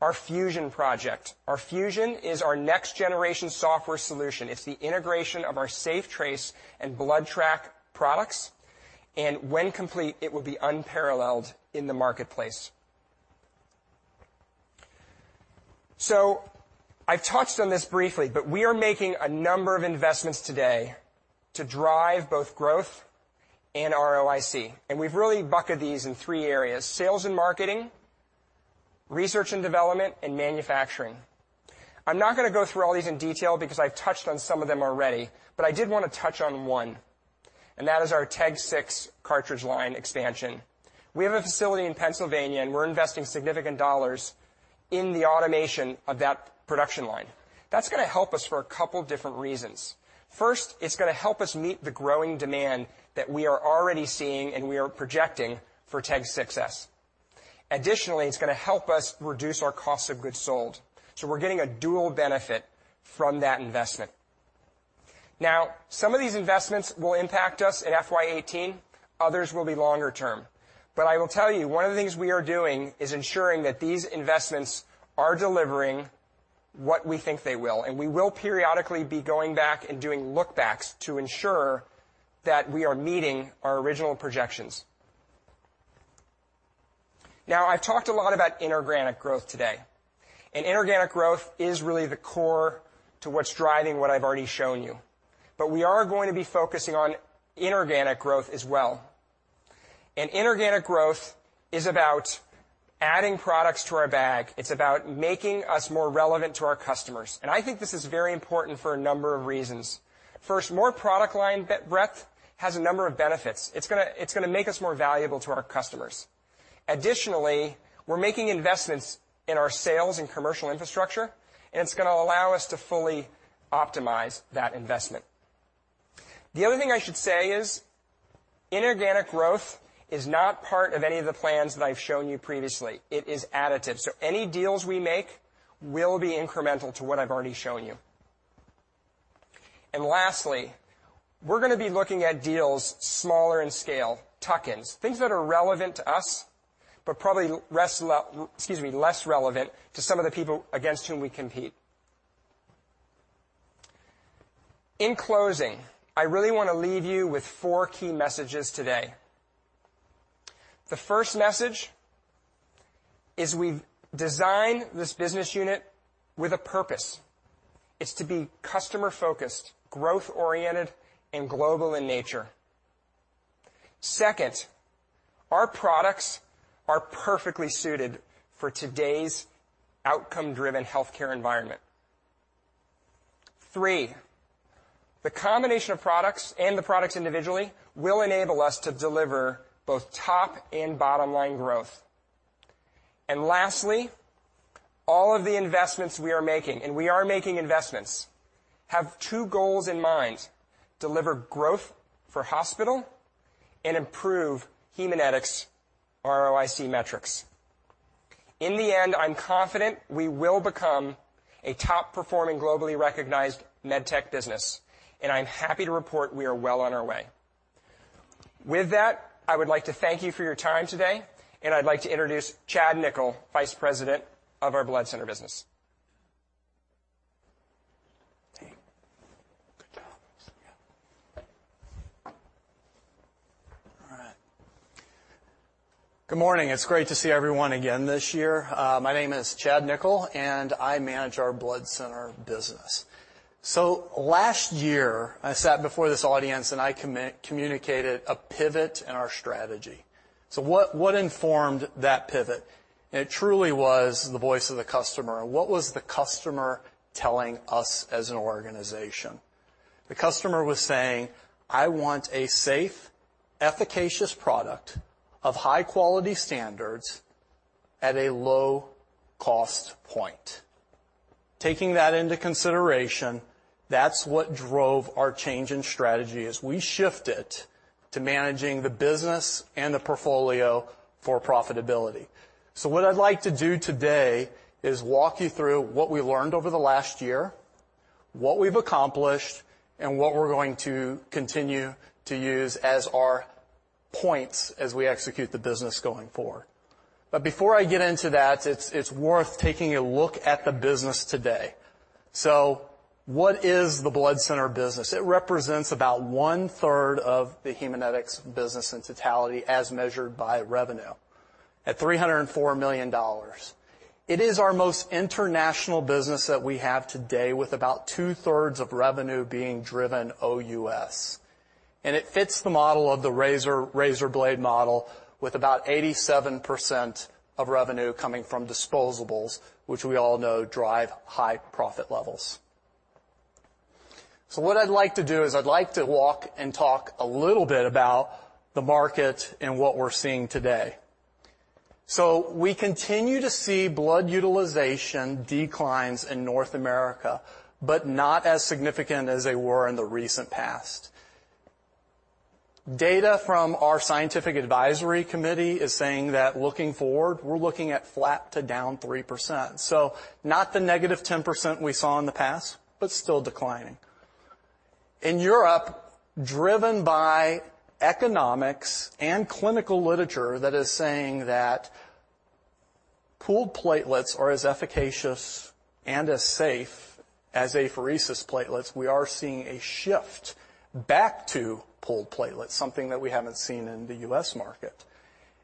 our Fusion project. Our Fusion is our next-generation software solution. It's the integration of our SafeTrace and BloodTrack products. When complete, it will be unparalleled in the marketplace. I've touched on this briefly, we are making a number of investments today to drive both growth and ROIC. We've really bucketed these in three areas: sales and marketing, research and development, and manufacturing. I'm not going to go through all these in detail because I've touched on some of them already, I did want to touch on one, that is our TEG 6 cartridge line expansion. We have a facility in Pennsylvania. We're investing significant dollars in the automation of that production line. That's going to help us for a couple different reasons. First, it's going to help us meet the growing demand that we are already seeing and we are projecting for TEG 6s. Additionally, it's going to help us reduce our cost of goods sold. We're getting a dual benefit from that investment. Some of these investments will impact us in FY 2018, others will be longer term. I will tell you, one of the things we are doing is ensuring that these investments are delivering what we think they will, we will periodically be going back and doing look-backs to ensure that we are meeting our original projections. I've talked a lot about inorganic growth today, inorganic growth is really the core to what's driving what I've already shown you. We are going to be focusing on inorganic growth as well. Inorganic growth is about adding products to our bag. It's about making us more relevant to our customers. I think this is very important for a number of reasons. First, more product line breadth has a number of benefits. It's going to make us more valuable to our customers. Additionally, we're making investments in our sales and commercial infrastructure. It's going to allow us to fully optimize that investment. The other thing I should say is inorganic growth is not part of any of the plans that I've shown you previously. It is additive. Any deals we make will be incremental to what I've already shown you. Lastly, we're going to be looking at deals smaller in scale, tuck-ins, things that are relevant to us, probably less relevant to some of the people against whom we compete. In closing, I really want to leave you with four key messages today. The first message is we design this business unit with a purpose. It's to be customer focused, growth oriented, and global in nature. Second, our products are perfectly suited for today's outcome-driven healthcare environment. The combination of products and the products individually will enable us to deliver both top and bottom-line growth. Lastly, all of the investments we are making, and we are making investments, have two goals in mind: deliver growth for Hospital and improve Haemonetics ROIC metrics. I'm confident we will become a top-performing, globally recognized med tech business, and I'm happy to report we are well on our way. I would like to thank you for your time today, and I'd like to introduce Chad Nichol, Vice President of our Blood Center Business. Hey. Good job. Good morning. It's great to see everyone again this year. My name is Chad Nichol and I manage our Blood Center Business. Last year, I sat before this audience and I communicated a pivot in our strategy. What informed that pivot? It truly was the voice of the customer. What was the customer telling us as an organization? The customer was saying, "I want a safe, efficacious product of high quality standards at a low cost point." Taking that into consideration, that's what drove our change in strategy as we shifted to managing the business and the portfolio for profitability. What I'd like to do today is walk you through what we learned over the last year, what we've accomplished, and what we're going to continue to use as our points as we execute the business going forward. Before I get into that, it's worth taking a look at the business today. What is the Blood Center Business? It represents about one-third of the Haemonetics business in totality as measured by revenue at $304 million. It is our most international business that we have today with about two-thirds of revenue being driven OUS. It fits the model of the razor blade model with about 87% of revenue coming from disposables, which we all know drive high profit levels. What I'd like to do is I'd like to walk and talk a little about the market and what we're seeing today. We continue to see blood utilization declines in North America, but not as significant as they were in the recent past. Data from our scientific advisory committee is saying that looking forward, we're looking at flat to down 3%. Not the negative 10% we saw in the past, but still declining. In Europe, driven by economics and clinical literature that is saying that pooled platelets are as efficacious and as safe as apheresis platelets, we are seeing a shift back to pooled platelets, something that we haven't seen in the U.S. market.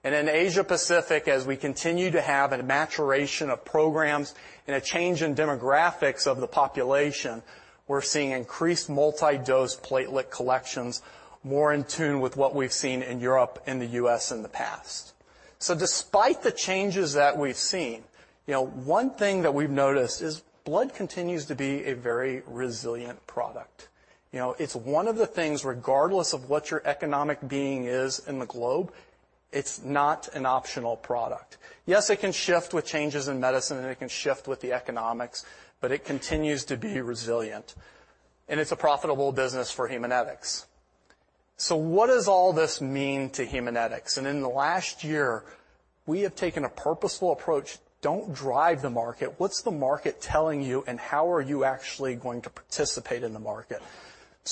In Asia Pacific, as we continue to have a maturation of programs and a change in demographics of the population, we're seeing increased multi-dose platelet collections more in tune with what we've seen in Europe and the U.S. in the past. Despite the changes that we've seen, one thing that we've noticed is blood continues to be a very resilient product. It's one of the things, regardless of what your economic being is in the globe, it's not an optional product. Yes, it can shift with changes in medicine and it can shift with the economics, but it continues to be resilient, and it's a profitable business for Haemonetics. What does all this mean to Haemonetics? In the last year, we have taken a purposeful approach. Don't drive the market. What's the market telling you and how are you actually going to participate in the market?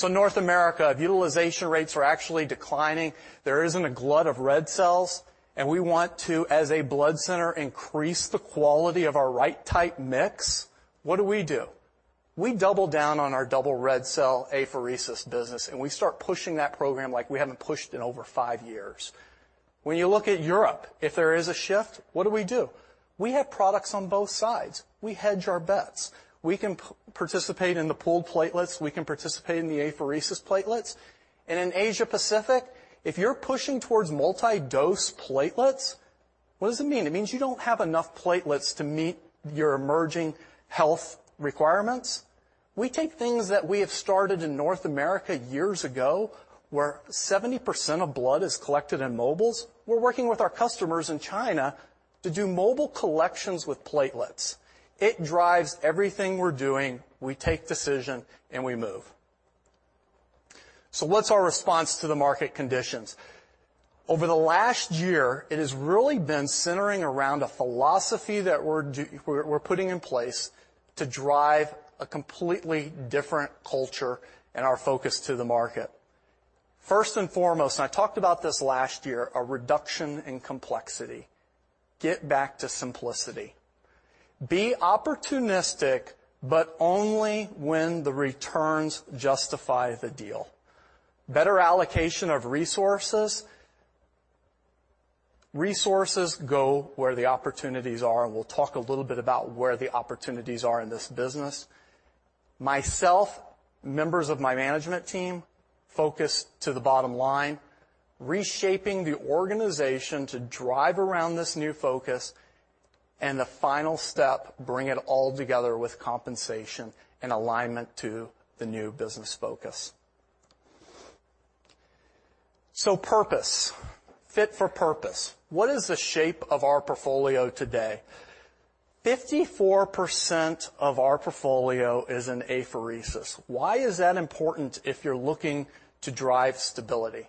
North America, if utilization rates are actually declining, there isn't a glut of red cells, and we want to, as a Blood Center, increase the quality of our right type mix, what do we do? We double down on our double red cell apheresis business and we start pushing that program like we haven't pushed in over five years. When you look at Europe, if there is a shift, what do we do? We have products on both sides. We hedge our bets. We can participate in the pooled platelets. We can participate in the apheresis platelets. In Asia Pacific, if you're pushing towards multi-dose platelets, what does it mean? It means you don't have enough platelets to meet your emerging health requirements. We take things that we have started in North America years ago, where 70% of blood is collected in mobiles. We're working with our customers in China to do mobile collections with platelets. It drives everything we're doing. We take decision and we move. What's our response to the market conditions? Over the last year, it has really been centering around a philosophy that we're putting in place to drive a completely different culture and our focus to the market. First and foremost, and I talked about this last year, a reduction in complexity. Get back to simplicity. Be opportunistic, but only when the returns justify the deal. Better allocation of resources. Resources go where the opportunities are, and we'll talk a little bit about where the opportunities are in this business. Myself, members of my management team focus to the bottom line, reshaping the organization to drive around this new focus, and the final step, bring it all together with compensation and alignment to the new business focus. Purpose, fit for purpose. What is the shape of our portfolio today? 54% of our portfolio is in apheresis. Why is that important if you're looking to drive stability?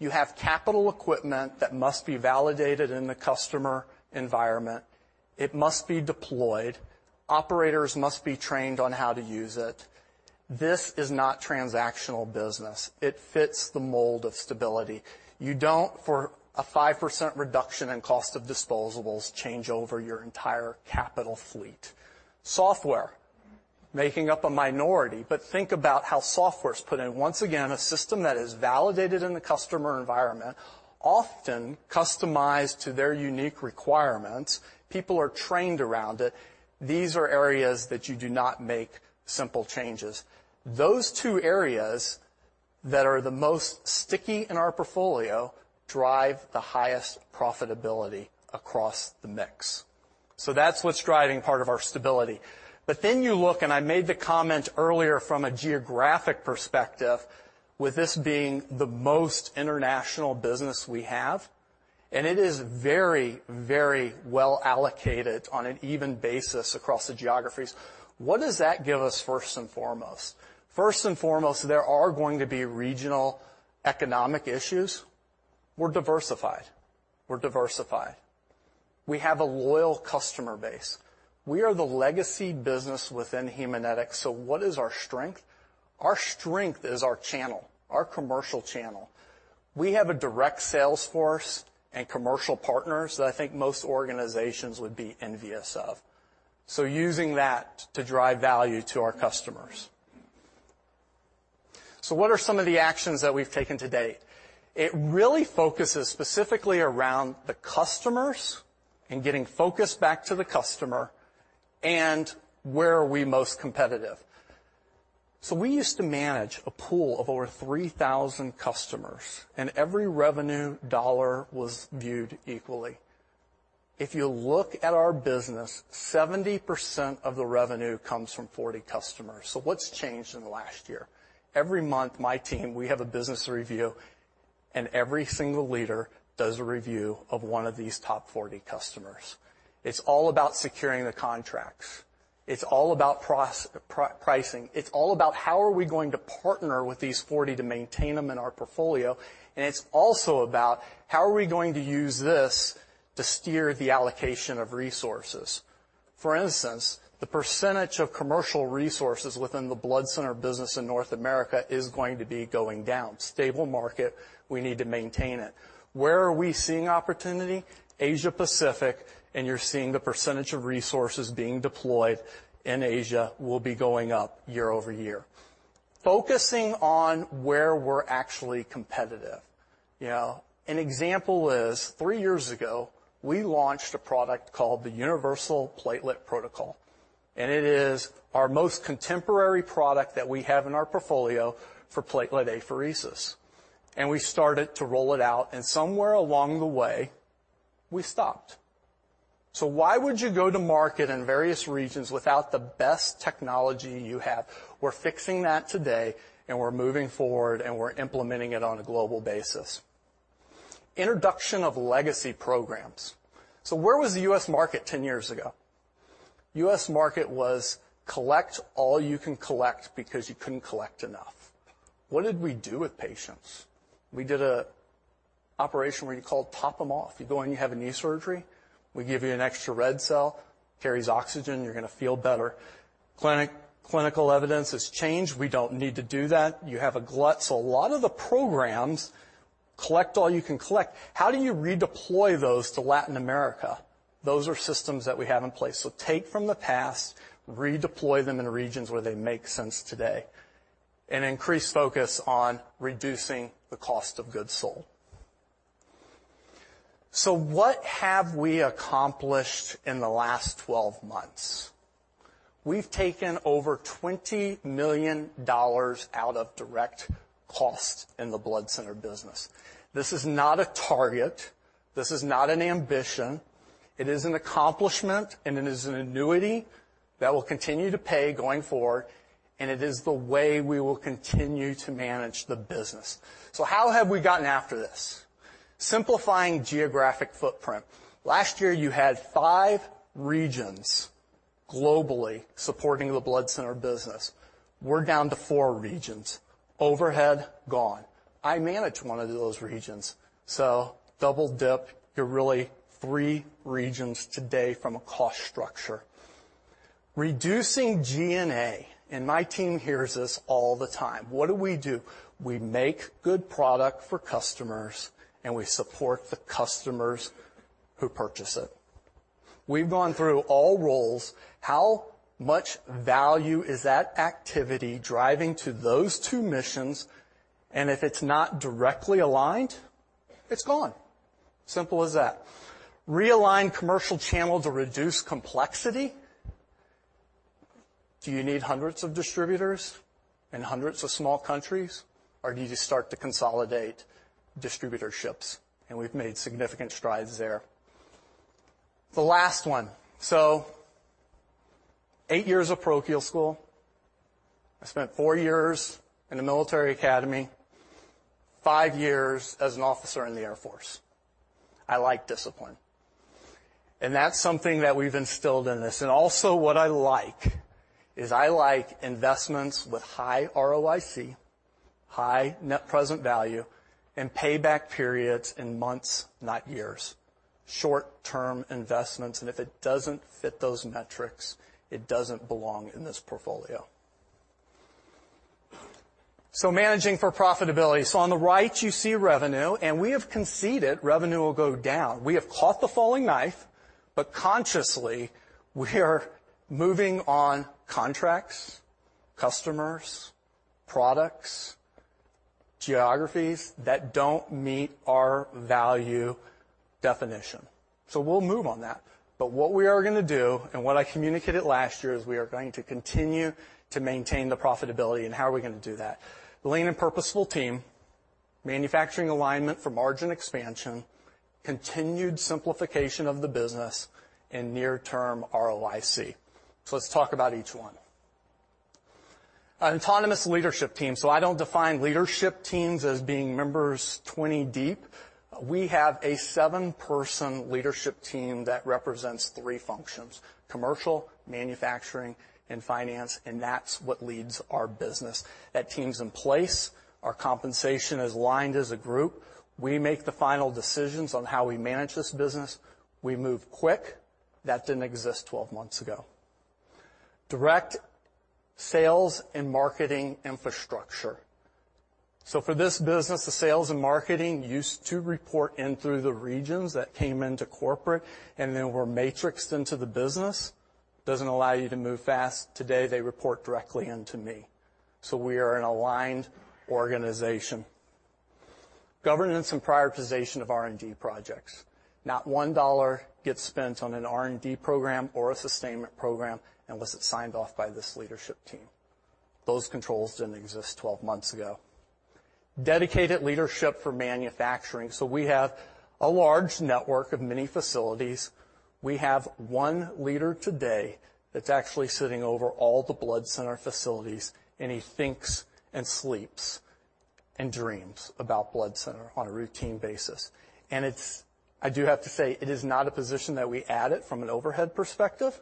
You have capital equipment that must be validated in the customer environment. It must be deployed. Operators must be trained on how to use it. This is not transactional business. It fits the mold of stability. You don't, for a 5% reduction in cost of disposables, change over your entire capital fleet. Software, making up a minority, but think about how software's put in. Once again, a system that is validated in the customer environment, often customized to their unique requirements. People are trained around it. These are areas that you do not make simple changes. Those two areas that are the most sticky in our portfolio drive the highest profitability across the mix. That's what's driving part of our stability. You look, and I made the comment earlier from a geographic perspective, with this being the most international business we have, and it is very well allocated on an even basis across the geographies. What does that give us, first and foremost? First and foremost, there are going to be regional economic issues. We're diversified. We have a loyal customer base. We are the legacy business within Haemonetics. What is our strength? Our strength is our channel, our commercial channel. We have a direct sales force and commercial partners that I think most organizations would be envious of. Using that to drive value to our customers. What are some of the actions that we have taken to date? It really focuses specifically around the customers and getting focus back to the customer and where are we most competitive. We used to manage a pool of over 3,000 customers, and every revenue dollar was viewed equally. If you look at our business, 70% of the revenue comes from 40 customers. What is changed in the last year? Every month, my team, we have a business review, and every single leader does a review of one of these top 40 customers. It is all about securing the contracts. It's all about pricing. It's all about how are we going to partner with these 40 to maintain them in our portfolio, and it's also about how are we going to use this to steer the allocation of resources. For instance, the percentage of commercial resources within the Blood Center Business in North America is going to be going down. Stable market, we need to maintain it. Where are we seeing opportunity? Asia-Pacific, and you're seeing the percentage of resources being deployed in Asia will be going up year-over-year. Focusing on where we are actually competitive. An example is three years ago, we launched a product called the Universal Platelet Protocol, and it is our most contemporary product that we have in our portfolio for platelet apheresis. We started to roll it out, and somewhere along the way, we stopped. Why would you go to market in various regions without the best technology you have? We are fixing that today, and we are moving forward, and we are implementing it on a global basis. Introduction of legacy programs. Where was the U.S. market 10 years ago? U.S. market was collect all you can collect because you could not collect enough. What did we do with patients? We did an operation where you called top them off. You go in, you have a knee surgery, we give you an extra red cell, carries oxygen, you're going to feel better. Clinical evidence has changed. We don't need to do that. You have a glut. A lot of the programs, collect all you can collect. How do you redeploy those to Latin America? Those are systems that we have in place. Take from the past, redeploy them in regions where they make sense today, and increase focus on reducing the cost of goods sold. What have we accomplished in the last 12 months? We have taken over $20 million out of direct costs in the Blood Center Business. This is not a target. This is not an ambition. It is an accomplishment, and it is an annuity that will continue to pay going forward. It is the way we will continue to manage the business. How have we gotten after this? Simplifying geographic footprint. Last year, you had five regions globally supporting the Blood Center Business. We're down to four regions. Overhead, gone. I manage one of those regions, double dip. You're really three regions today from a cost structure. Reducing G&A, and my team hears this all the time. What do we do? We make good product for customers. We support the customers who purchase it. We've gone through all roles. How much value is that activity driving to those two missions? If it's not directly aligned, it's gone. Simple as that. Realign commercial channel to reduce complexity. Do you need hundreds of distributors in hundreds of small countries? Do you just start to consolidate distributorships? We've made significant strides there. The last one, eight years of parochial school. I spent four years in a military academy, five years as an officer in the Air Force. I like discipline. That's something that we've instilled in this. Also what I like is I like investments with high ROIC, high net present value, and payback periods in months, not years, short-term investments. If it doesn't fit those metrics, it doesn't belong in this portfolio. Managing for profitability. On the right, you see revenue. We have conceded revenue will go down. We have caught the falling knife. Consciously, we are moving on contracts, customers, products, geographies that don't meet our value definition. We'll move on that. What we are going to do, and what I communicated last year is we are going to continue to maintain the profitability. How are we going to do that? Lean and purposeful team, manufacturing alignment for margin expansion, continued simplification of the business, and near-term ROIC. Let's talk about each one. An autonomous leadership team. I don't define leadership teams as being members 20 deep. We have a seven-person leadership team that represents three functions, commercial, manufacturing, and finance. That's what leads our business. That team's in place. Our compensation is aligned as a group. We make the final decisions on how we manage this business. We move quick. That didn't exist 12 months ago. Direct sales and marketing infrastructure. For this business, the sales and marketing used to report in through the regions that came into corporate and then were matrixed into the business. Doesn't allow you to move fast. Today, they report directly into me. We are an aligned organization. Governance and prioritization of R&D projects. Not $1 gets spent on an R&D program or a sustainment program unless it's signed off by this leadership team. Those controls didn't exist 12 months ago. Dedicated leadership for manufacturing. We have a large network of many facilities. We have one leader today that's actually sitting over all the Blood Center facilities. He thinks and sleeps and dreams about Blood Center on a routine basis. I do have to say, it is not a position that we added from an overhead perspective.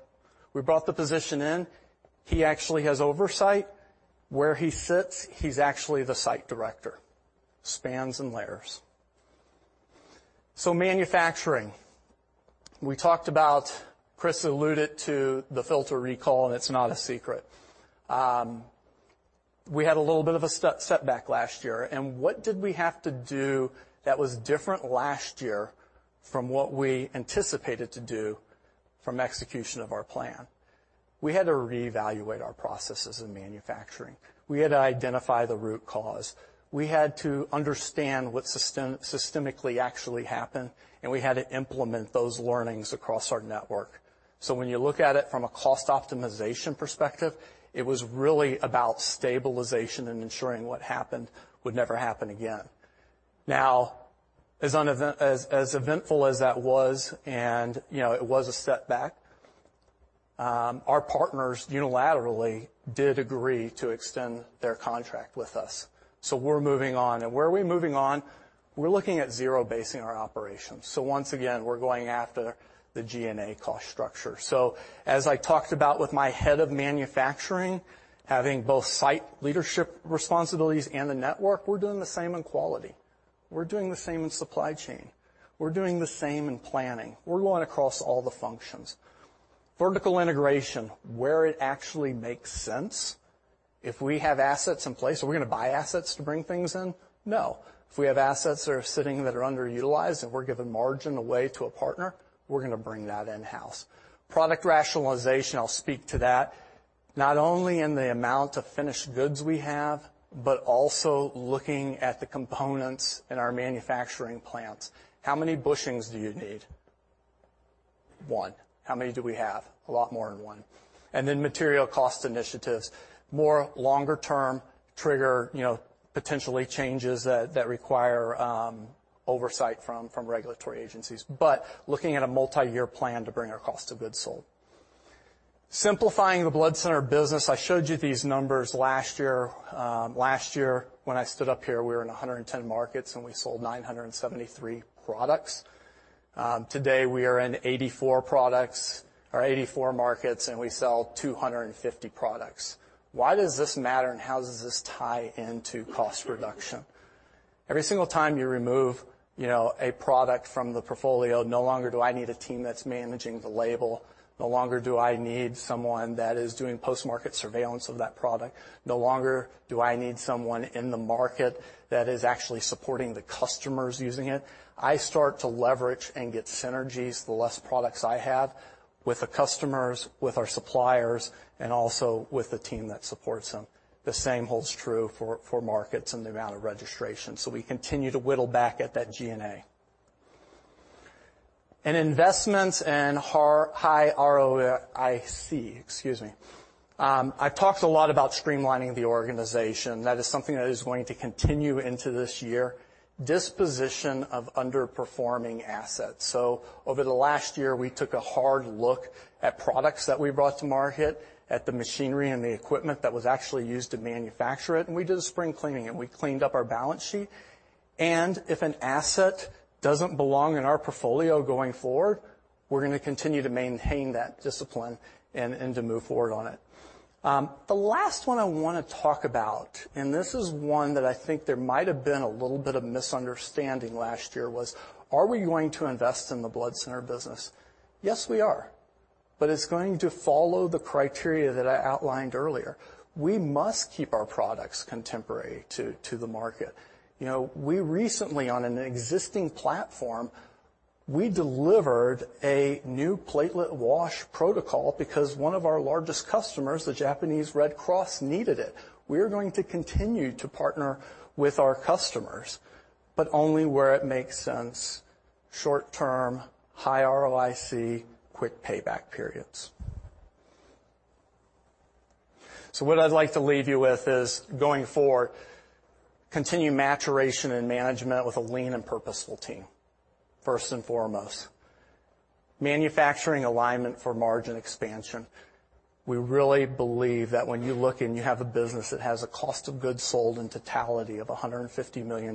We brought the position in. He actually has oversight. Where he sits, he's actually the site director, spans and layers. Manufacturing, we talked about, Chris alluded to the filter recall. It's not a secret. We had a little bit of a setback last year. What did we have to do that was different last year from what we anticipated to do from execution of our plan? We had to reevaluate our processes in manufacturing. We had to identify the root cause. We had to understand what systemically actually happened. We had to implement those learnings across our network. When you look at it from a cost optimization perspective, it was really about stabilization and ensuring what happened would never happen again. As eventful as that was, and it was a setback, our partners unilaterally did agree to extend their contract with us. We're moving on. Where are we moving on? We're looking at zero-basing our operations. Once again, we're going after the G&A cost structure. As I talked about with my head of manufacturing, having both site leadership responsibilities and the network, we're doing the same in quality. We're doing the same in supply chain. We're doing the same in planning. We're going across all the functions. Vertical integration, where it actually makes sense. If we have assets in place, are we going to buy assets to bring things in? No. If we have assets that are sitting that are underutilized, and we're giving margin away to a partner, we're going to bring that in-house. Product rationalization, I'll speak to that, not only in the amount of finished goods we have, but also looking at the components in our manufacturing plants. How many bushings do you need? One. How many do we have? A lot more than one. Material cost initiatives, more longer-term trigger potentially changes that require oversight from regulatory agencies, but looking at a multi-year plan to bring our cost of goods sold. Simplifying the Blood Center business. I showed you these numbers last year. Last year when I stood up here, we were in 110 markets and we sold 973 products. Today, we are in 84 markets and we sell 250 products. Why does this matter and how does this tie into cost reduction? Every single time you remove a product from the portfolio, no longer do I need a team that's managing the label. No longer do I need someone that is doing post-market surveillance of that product. No longer do I need someone in the market that is actually supporting the customers using it. I start to leverage and get synergies, the less products I have with the customers, with our suppliers, and also with the team that supports them. The same holds true for markets and the amount of registration. We continue to whittle back at that G&A. In investments and high ROIC, excuse me. I've talked a lot about streamlining the organization. That is something that is going to continue into this year. Disposition of underperforming assets. Over the last year, we took a hard look at products that we brought to market, at the machinery and the equipment that was actually used to manufacture it, and we did a spring cleaning and we cleaned up our balance sheet. If an asset doesn't belong in our portfolio going forward, we're going to continue to maintain that discipline and to move forward on it. The last one I want to talk about, and this is one that I think there might have been a little bit of misunderstanding last year, was are we going to invest in the Blood Center business? Yes, we are, but it's going to follow the criteria that I outlined earlier. We must keep our products contemporary to the market. We recently, on an existing platform, we delivered a new platelet wash protocol because one of our largest customers, the Japanese Red Cross, needed it. We are going to continue to partner with our customers, but only where it makes sense. Short term, high ROIC, quick payback periods. What I'd like to leave you with is going forward, continue maturation and management with a lean and purposeful team, first and foremost. Manufacturing alignment for margin expansion. We really believe that when you look and you have a business that has a cost of goods sold in totality of $150 million,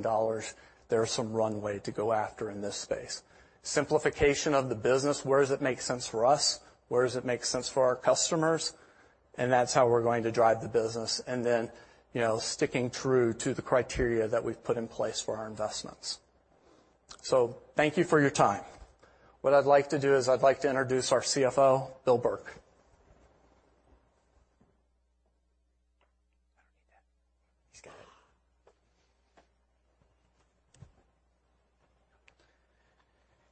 there is some runway to go after in this space. Simplification of the business. Where does it make sense for us? Where does it make sense for our customers? That's how we're going to drive the business. Sticking true to the criteria that we've put in place for our investments. Thank you for your time. What I'd like to do is I'd like to introduce our CFO, Bill Burke. I don't need that. He's got it.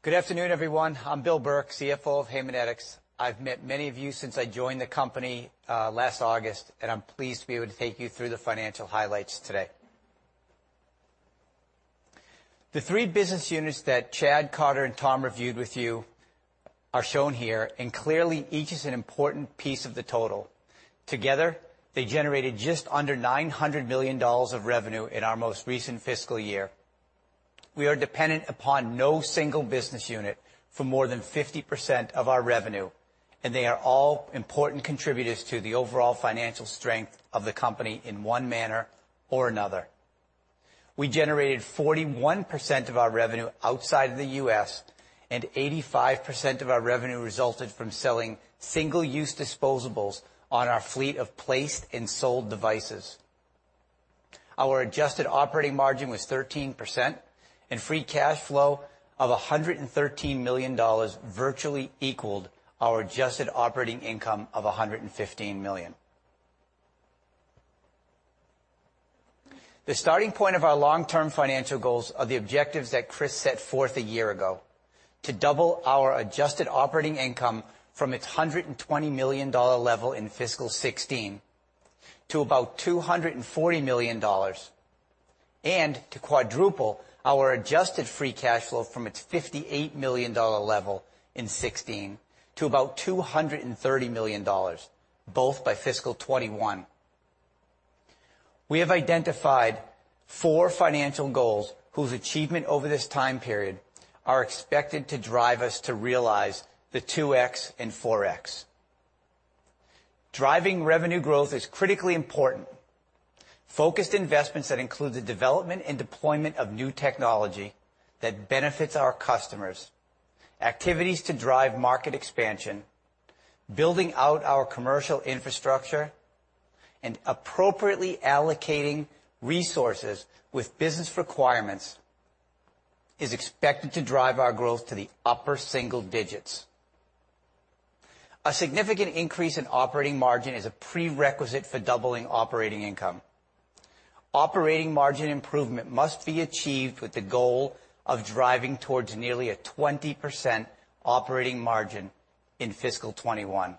Good afternoon, everyone. I'm Bill Burke, CFO of Haemonetics. I've met many of you since I joined the company last August. I'm pleased to be able to take you through the financial highlights today. The three business units that Chad, Carter, and Tom reviewed with you are shown here. Clearly, each is an important piece of the total. Together, they generated just under $900 million of revenue in our most recent fiscal year. We are dependent upon no single business unit for more than 50% of our revenue. They are all important contributors to the overall financial strength of the company in one manner or another. We generated 41% of our revenue outside of the U.S. 85% of our revenue resulted from selling single-use disposables on our fleet of placed and sold devices. Our adjusted operating margin was 13%. Free cash flow of $113 million virtually equaled our adjusted operating income of $115 million. The starting point of our long-term financial goals are the objectives that Chris set forth a year ago to double our adjusted operating income from its $120 million level in fiscal 2016 to about $240 million, to quadruple our adjusted free cash flow from its $58 million level in 2016 to about $230 million, both by fiscal 2021. We have identified four financial goals whose achievement over this time period are expected to drive us to realize the 2x and 4x. Driving revenue growth is critically important. Focused investments that include the development and deployment of new technology that benefits our customers, activities to drive market expansion, building out our commercial infrastructure, appropriately allocating resources with business requirements is expected to drive our growth to the upper single digits. A significant increase in operating margin is a prerequisite for doubling operating income. Operating margin improvement must be achieved with the goal of driving towards nearly a 20% operating margin in fiscal 2021.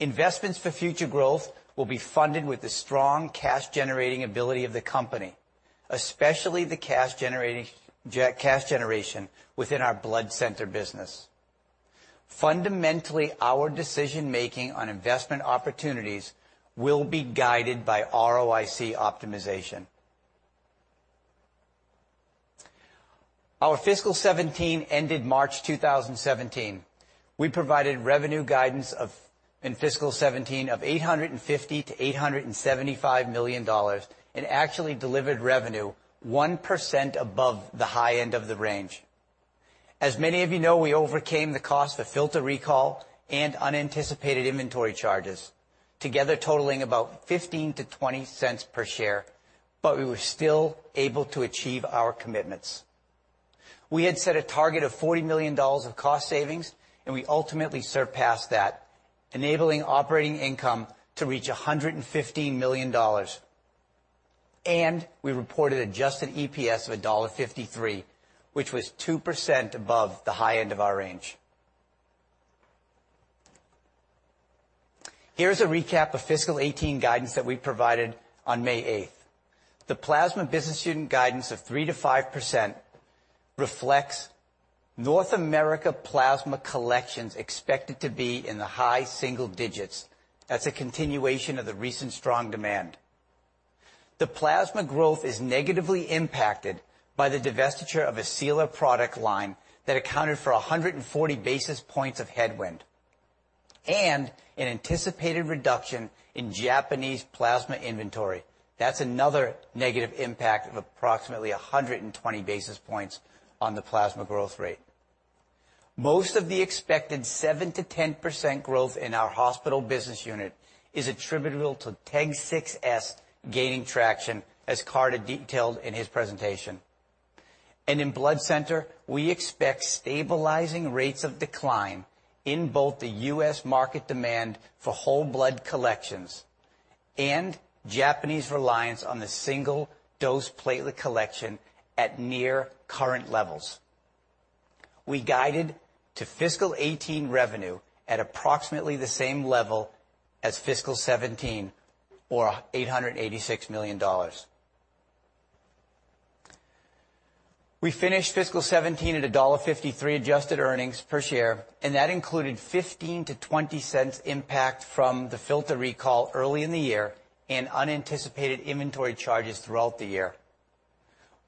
Investments for future growth will be funded with the strong cash-generating ability of the company, especially the cash generation within our Blood Center business. Fundamentally, our decision-making on investment opportunities will be guided by ROIC optimization. Our fiscal 2017 ended March 2017. We provided revenue guidance in fiscal 2017 of $850 million-$875 million. Actually delivered revenue 1% above the high end of the range. As many of you know, we overcame the cost of filter recall and unanticipated inventory charges, together totaling about $0.15-$0.20 per share, but we were still able to achieve our commitments. We had set a target of $40 million of cost savings, and we ultimately surpassed that, enabling operating income to reach $115 million. We reported adjusted EPS of $1.53, which was 2% above the high end of our range. Here is a recap of fiscal 2018 guidance that we provided on May 8. The Plasma Business Unit guidance of 3%-5% reflects North America plasma collections expected to be in the high single digits as a continuation of the recent strong demand. The plasma growth is negatively impacted by the divestiture of the sealer product line that accounted for 140 basis points of headwind, and an anticipated reduction in Japanese plasma inventory. That's another negative impact of approximately 120 basis points on the plasma growth rate. Most of the expected 7%-10% growth in our Hospital Business Unit is attributable to TEG 6s gaining traction, as Carter detailed in his presentation. In Blood Center, we expect stabilizing rates of decline in both the U.S. market demand for whole blood collections and Japanese reliance on the single-dose platelet collection at near current levels. We guided to fiscal 2018 revenue at approximately the same level as fiscal 2017, or $886 million. We finished fiscal 2017 at $1.53 adjusted earnings per share, and that included $0.15-$0.20 impact from the filter recall early in the year and unanticipated inventory charges throughout the year.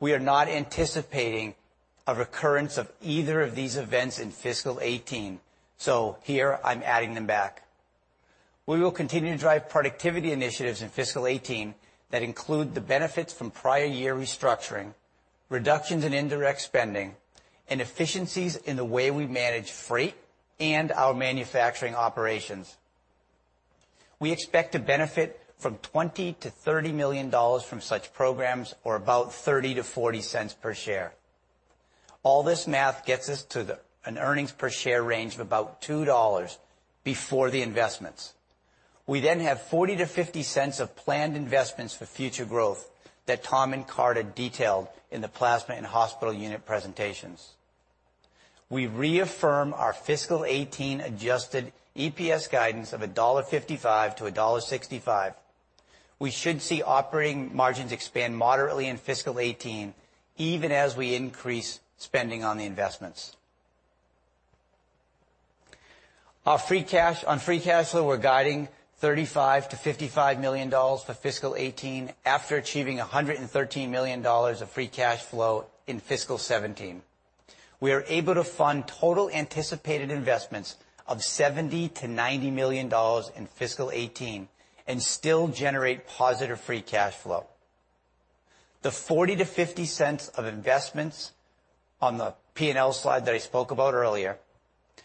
We are not anticipating a recurrence of either of these events in fiscal 2018, here I'm adding them back. We will continue to drive productivity initiatives in fiscal 2018 that include the benefits from prior year restructuring, reductions in indirect spending, and efficiencies in the way we manage freight and our manufacturing operations. We expect to benefit from $20 million-$30 million from such programs, or about $0.30-$0.40 per share. All this math gets us to an earnings per share range of about $2 before the investments. We have $0.40-$0.50 of planned investments for future growth that Tom and Carter detailed in the Plasma and Hospital Business Unit presentations. We reaffirm our fiscal 2018 adjusted EPS guidance of $1.55-$1.65. We should see operating margins expand moderately in fiscal 2018, even as we increase spending on the investments. On free cash flow, we're guiding $35 million-$55 million for fiscal 2018 after achieving $113 million of free cash flow in fiscal 2017. We are able to fund total anticipated investments of $70 million-$90 million in fiscal 2018 and still generate positive free cash flow. The $0.40-$0.50 of investments on the P&L slide that I spoke about earlier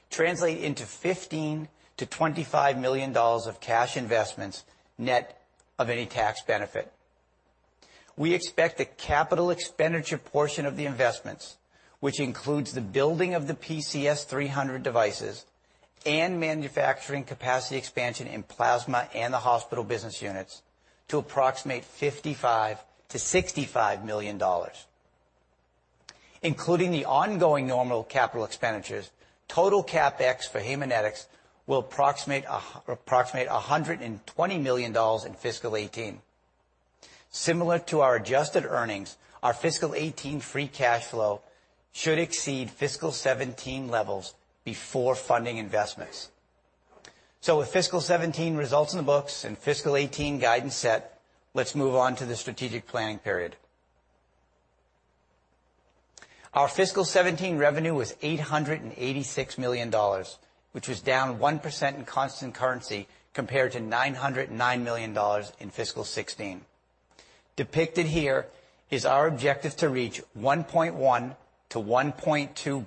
translate into $15 million-$25 million of cash investments, net of any tax benefit. We expect the capital expenditure portion of the investments, which includes the building of the NexSys PCS devices and manufacturing capacity expansion in Plasma and the Hospital Business Units, to approximate $55 million-$65 million. Including the ongoing normal capital expenditures, total CapEx for Haemonetics will approximate $120 million in fiscal 2018. Similar to our adjusted earnings, our fiscal 2018 free cash flow should exceed fiscal 2017 levels before funding investments. With fiscal 2017 results in the books and fiscal 2018 guidance set, let's move on to the strategic planning period. Our fiscal 2017 revenue was $886 million, which was down 1% in constant currency compared to $909 million in fiscal 2016. Depicted here is our objective to reach $1.1 billion to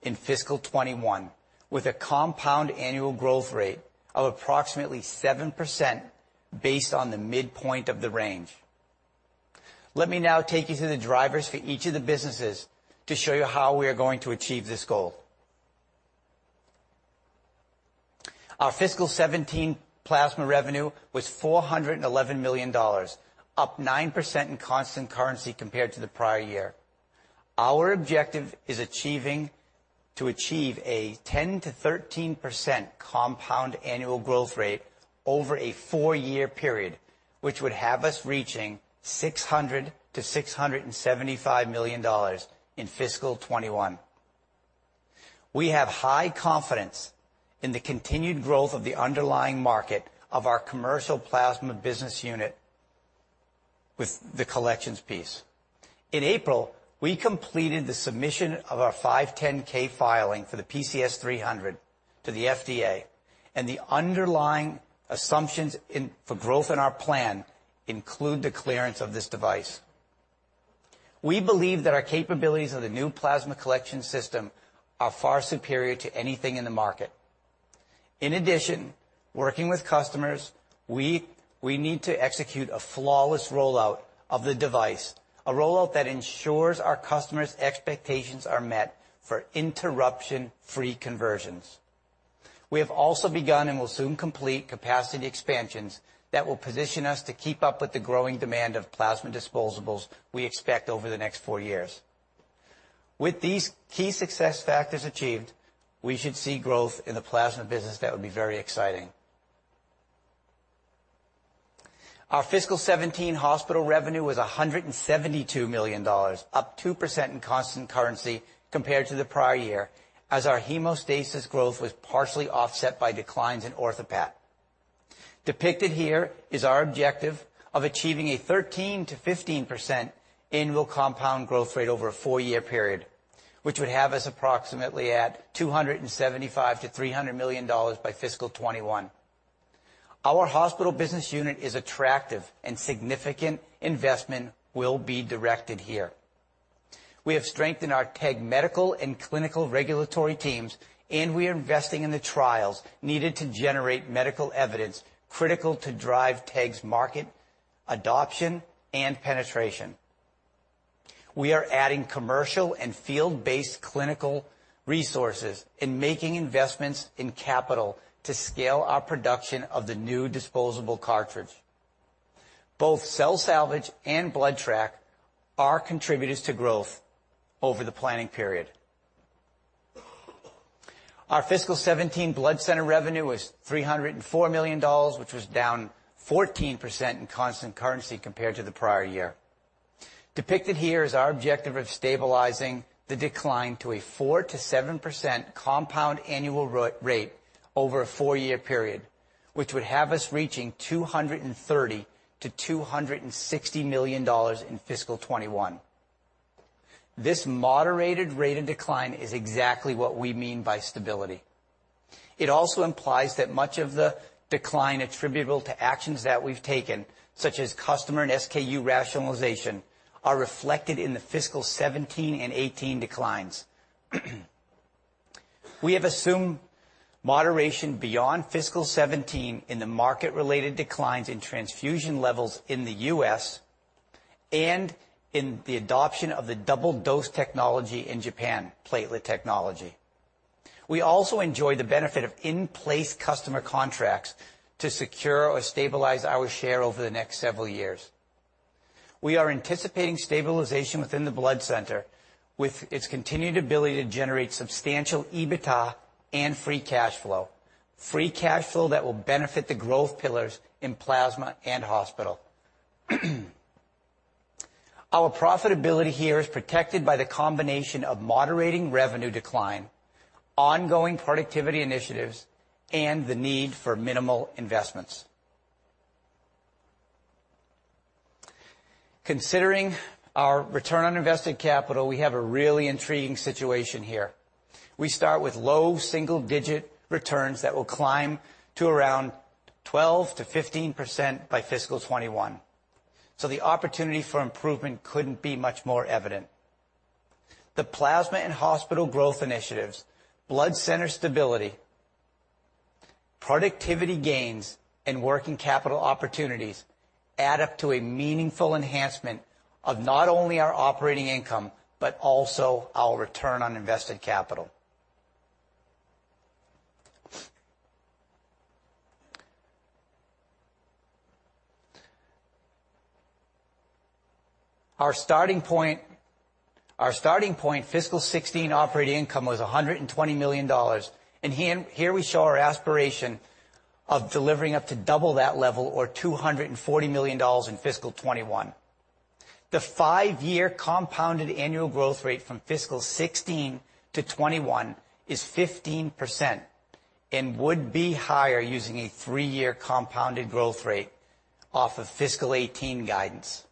$1.2 billion in fiscal 2021 with a compound annual growth rate of approximately 7% based on the midpoint of the range. Let me now take you through the drivers for each of the businesses to show you how we are going to achieve this goal. Our fiscal 2017 Plasma revenue was $411 million, up 9% in constant currency compared to the prior year. Our objective is to achieve a 10% to 13% compound annual growth rate over a four-year period which would have us reaching $600 million to $675 million in fiscal 2021. We have high confidence in the continued growth of the underlying market of our commercial plasma business unit with the collections piece. In April, we completed the submission of our 510(k) filing for the NexSys PCS to the FDA. The underlying assumptions for growth in our plan include the clearance of this device. We believe that our capabilities of the new plasma collection system are far superior to anything in the market. In addition, working with customers, we need to execute a flawless rollout of the device, a rollout that ensures our customers' expectations are met for interruption-free conversions. We have also begun and will soon complete capacity expansions that will position us to keep up with the growing demand of plasma disposables we expect over the next four years. With these key success factors achieved, we should see growth in the plasma business that would be very exciting. Our fiscal 2017 hospital revenue was $172 million, up 2% in constant currency compared to the prior year, as our hemostasis growth was partially offset by declines in OrthoPAT. Depicted here is our objective of achieving a 13% to 15% annual compound growth rate over a four-year period, which would have us approximately at $275 million to $300 million by fiscal 2021. Our Hospital Business Unit is attractive and significant investment will be directed here. We have strengthened our TEG medical and clinical regulatory teams. We are investing in the trials needed to generate medical evidence critical to drive TEG's market adoption and penetration. We are adding commercial and field-based clinical resources and making investments in capital to scale our production of the new disposable cartridge. Both Cell Saver and BloodTrack are contributors to growth over the planning period. Our fiscal 2017 Blood Center revenue was $304 million, which was down 14% in constant currency compared to the prior year. Depicted here is our objective of stabilizing the decline to a 4% to 7% compound annual growth rate over a four-year period, which would have us reaching $230 million to $260 million in fiscal 2021. This moderated rate of decline is exactly what we mean by stability. It also implies that much of the decline attributable to actions that we've taken, such as customer and SKU rationalization, are reflected in the fiscal 2017 and 2018 declines. We have assumed moderation beyond fiscal 2017 in the market-related declines in transfusion levels in the U.S. and in the adoption of the double dose technology in Japan, platelet technology. We also enjoy the benefit of in-place customer contracts to secure or stabilize our share over the next several years. We are anticipating stabilization within the Blood Center, with its continued ability to generate substantial EBITDA and free cash flow, free cash flow that will benefit the growth pillars in plasma and hospital. Our profitability here is protected by the combination of moderating revenue decline, ongoing productivity initiatives, and the need for minimal investments. Considering our return on invested capital, we have a really intriguing situation here. We start with low single-digit returns that will climb to around 12%-15% by fiscal 2021. The opportunity for improvement couldn't be much more evident. The plasma and hospital growth initiatives, Blood Center stability, productivity gains, and working capital opportunities add up to a meaningful enhancement of not only our operating income, but also our return on invested capital. Our starting point fiscal 2016 operating income was $120 million. Here we show our aspiration of delivering up to double that level, or $240 million, in fiscal 2021. The five-year compounded annual growth rate from fiscal 2016 to 2021 is 15% and would be higher using a three-year compounded growth rate off of fiscal 2018 guidance.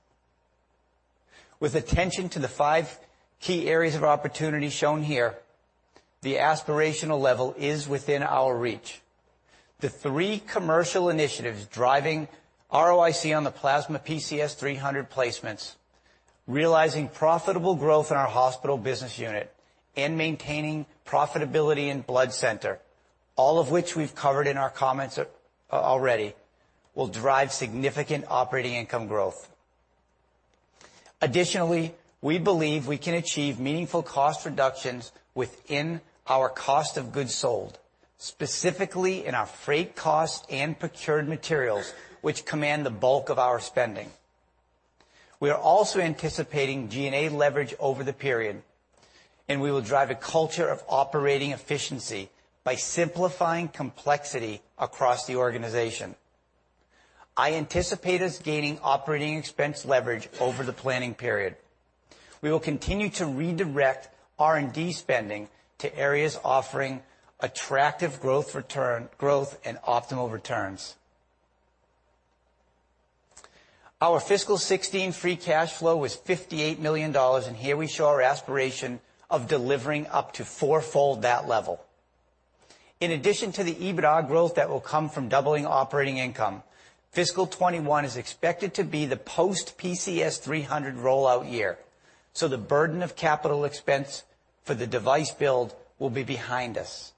With attention to the five key areas of opportunity shown here, the aspirational level is within our reach. The three commercial initiatives driving ROIC on the plasma NexSys PCS placements, realizing profitable growth in our Hospital Business Unit, and maintaining profitability in Blood Center, all of which we've covered in our comments already, will drive significant operating income growth. Additionally, we believe we can achieve meaningful cost reductions within our cost of goods sold, specifically in our freight costs and procured materials, which command the bulk of our spending. We are also anticipating G&A leverage over the period. We will drive a culture of operating efficiency by simplifying complexity across the organization. I anticipate us gaining operating expense leverage over the planning period. We will continue to redirect R&D spending to areas offering attractive growth and optimal returns. Our fiscal 2016 free cash flow was $58 million. Here we show our aspiration of delivering up to fourfold that level. In addition to the EBITDA growth that will come from doubling operating income, fiscal 2021 is expected to be the post-NexSys PCS rollout year, so the burden of capital expense for the device build will be behind us.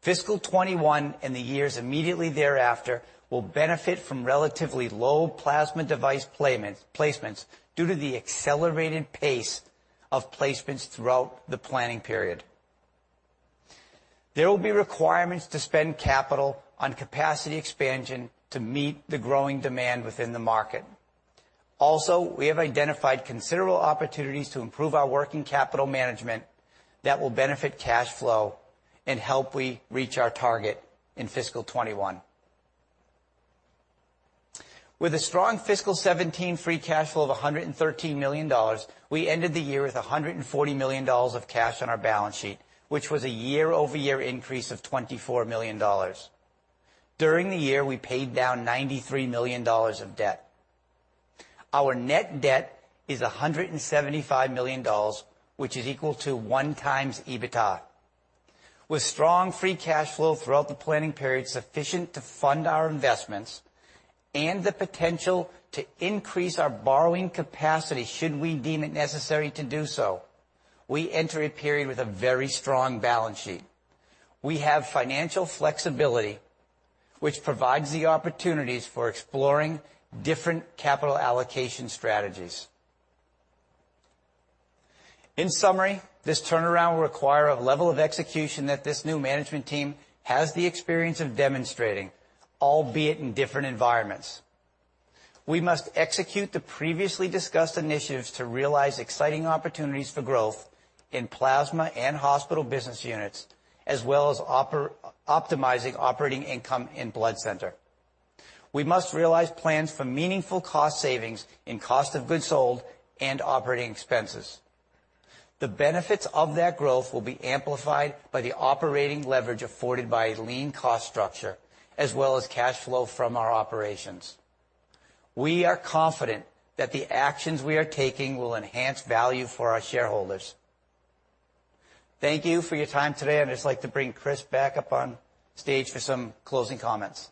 Fiscal 2021 and the years immediately thereafter will benefit from relatively low plasma device placements due to the accelerated pace of placements throughout the planning period. There will be requirements to spend capital on capacity expansion to meet the growing demand within the market. We have identified considerable opportunities to improve our working capital management that will benefit cash flow and help we reach our target in fiscal 2021. With a strong fiscal 2017 free cash flow of $113 million, we ended the year with $140 million of cash on our balance sheet, which was a year-over-year increase of $24 million. During the year, we paid down $93 million of debt. Our net debt is $175 million, which is equal to 1 times EBITDA. With strong free cash flow throughout the planning period sufficient to fund our investments and the potential to increase our borrowing capacity should we deem it necessary to do so, we enter a period with a very strong balance sheet. We have financial flexibility, which provides the opportunities for exploring different capital allocation strategies. In summary, this turnaround will require a level of execution that this new management team has the experience of demonstrating, albeit in different environments. We must execute the previously discussed initiatives to realize exciting opportunities for growth in plasma and Hospital Business Units, as well as optimizing operating income in Blood Center. We must realize plans for meaningful cost savings in cost of goods sold and operating expenses. The benefits of that growth will be amplified by the operating leverage afforded by a lean cost structure as well as cash flow from our operations. We are confident that the actions we are taking will enhance value for our shareholders. Thank you for your time today. I'd just like to bring Chris back up on stage for some closing comments.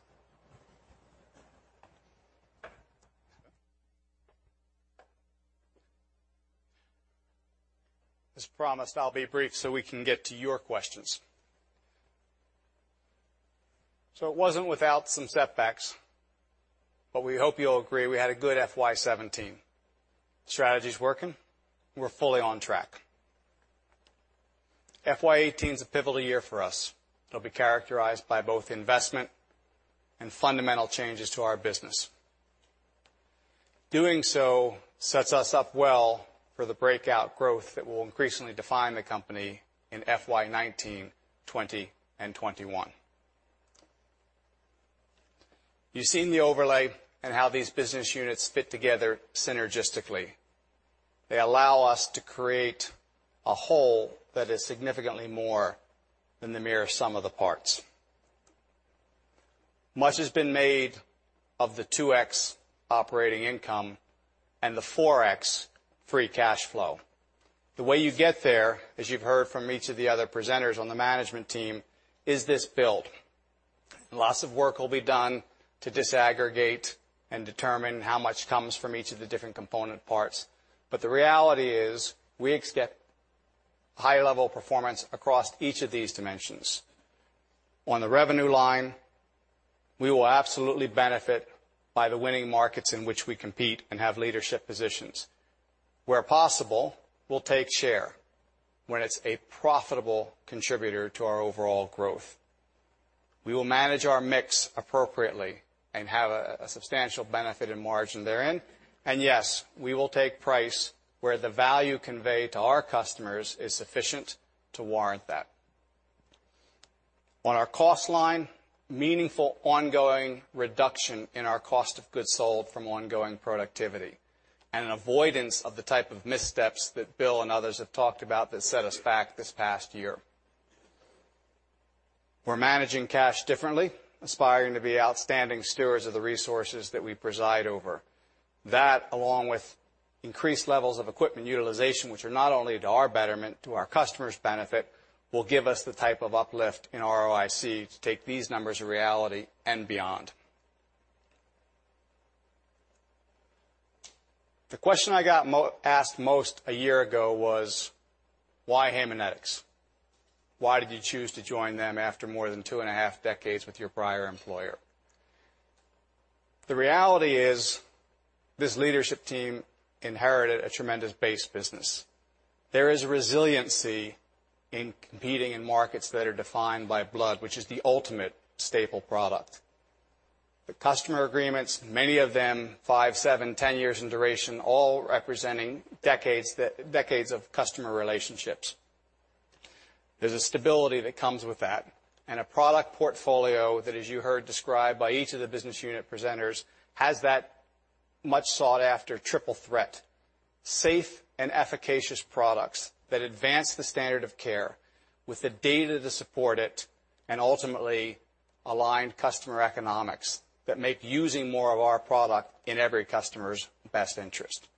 As promised, I'll be brief so we can get to your questions. It wasn't without some setbacks, but we hope you'll agree we had a good FY 2017. Strategy's working. We're fully on track. FY 2018's a pivotal year for us. It'll be characterized by both investment and fundamental changes to our business. Doing so sets us up well for the breakout growth that will increasingly define the company in FY 2019, 2020, and 2021. You've seen the overlay and how these business units fit together synergistically. They allow us to create a whole that is significantly more than the mere sum of the parts. Much has been made of the 2x operating income and the 4x free cash flow. The way you get there, as you've heard from each of the other presenters on the management team, is this build. Lots of work will be done to disaggregate and determine how much comes from each of the different component parts. The reality is we expect high level performance across each of these dimensions. On the revenue line, we will absolutely benefit by the winning markets in which we compete and have leadership positions. Where possible, we'll take share when it's a profitable contributor to our overall growth. We will manage our mix appropriately and have a substantial benefit in margin therein. Yes, we will take price where the value conveyed to our customers is sufficient to warrant that. On our cost line, meaningful ongoing reduction in our cost of goods sold from ongoing productivity and an avoidance of the type of missteps that Bill and others have talked about that set us back this past year. We're managing cash differently, aspiring to be outstanding stewards of the resources that we preside over. That, along with increased levels of equipment utilization, which are not only to our betterment, to our customers' benefit, will give us the type of uplift in ROIC to take these numbers a reality and beyond. The question I got asked most a year ago was, "Why Haemonetics? Why did you choose to join them after more than two and a half decades with your prior employer?" The reality is, this leadership team inherited a tremendous base business. There is a resiliency in competing in markets that are defined by blood, which is the ultimate staple product. The customer agreements, many of them five, seven, 10 years in duration, all representing decades of customer relationships. There's a stability that comes with that, and a product portfolio that, as you heard described by each of the business unit presenters, has that much sought-after triple threat. Safe and efficacious products that advance the standard of care with the data to support it, and ultimately aligned customer economics that make using more of our product in every customer's best interest.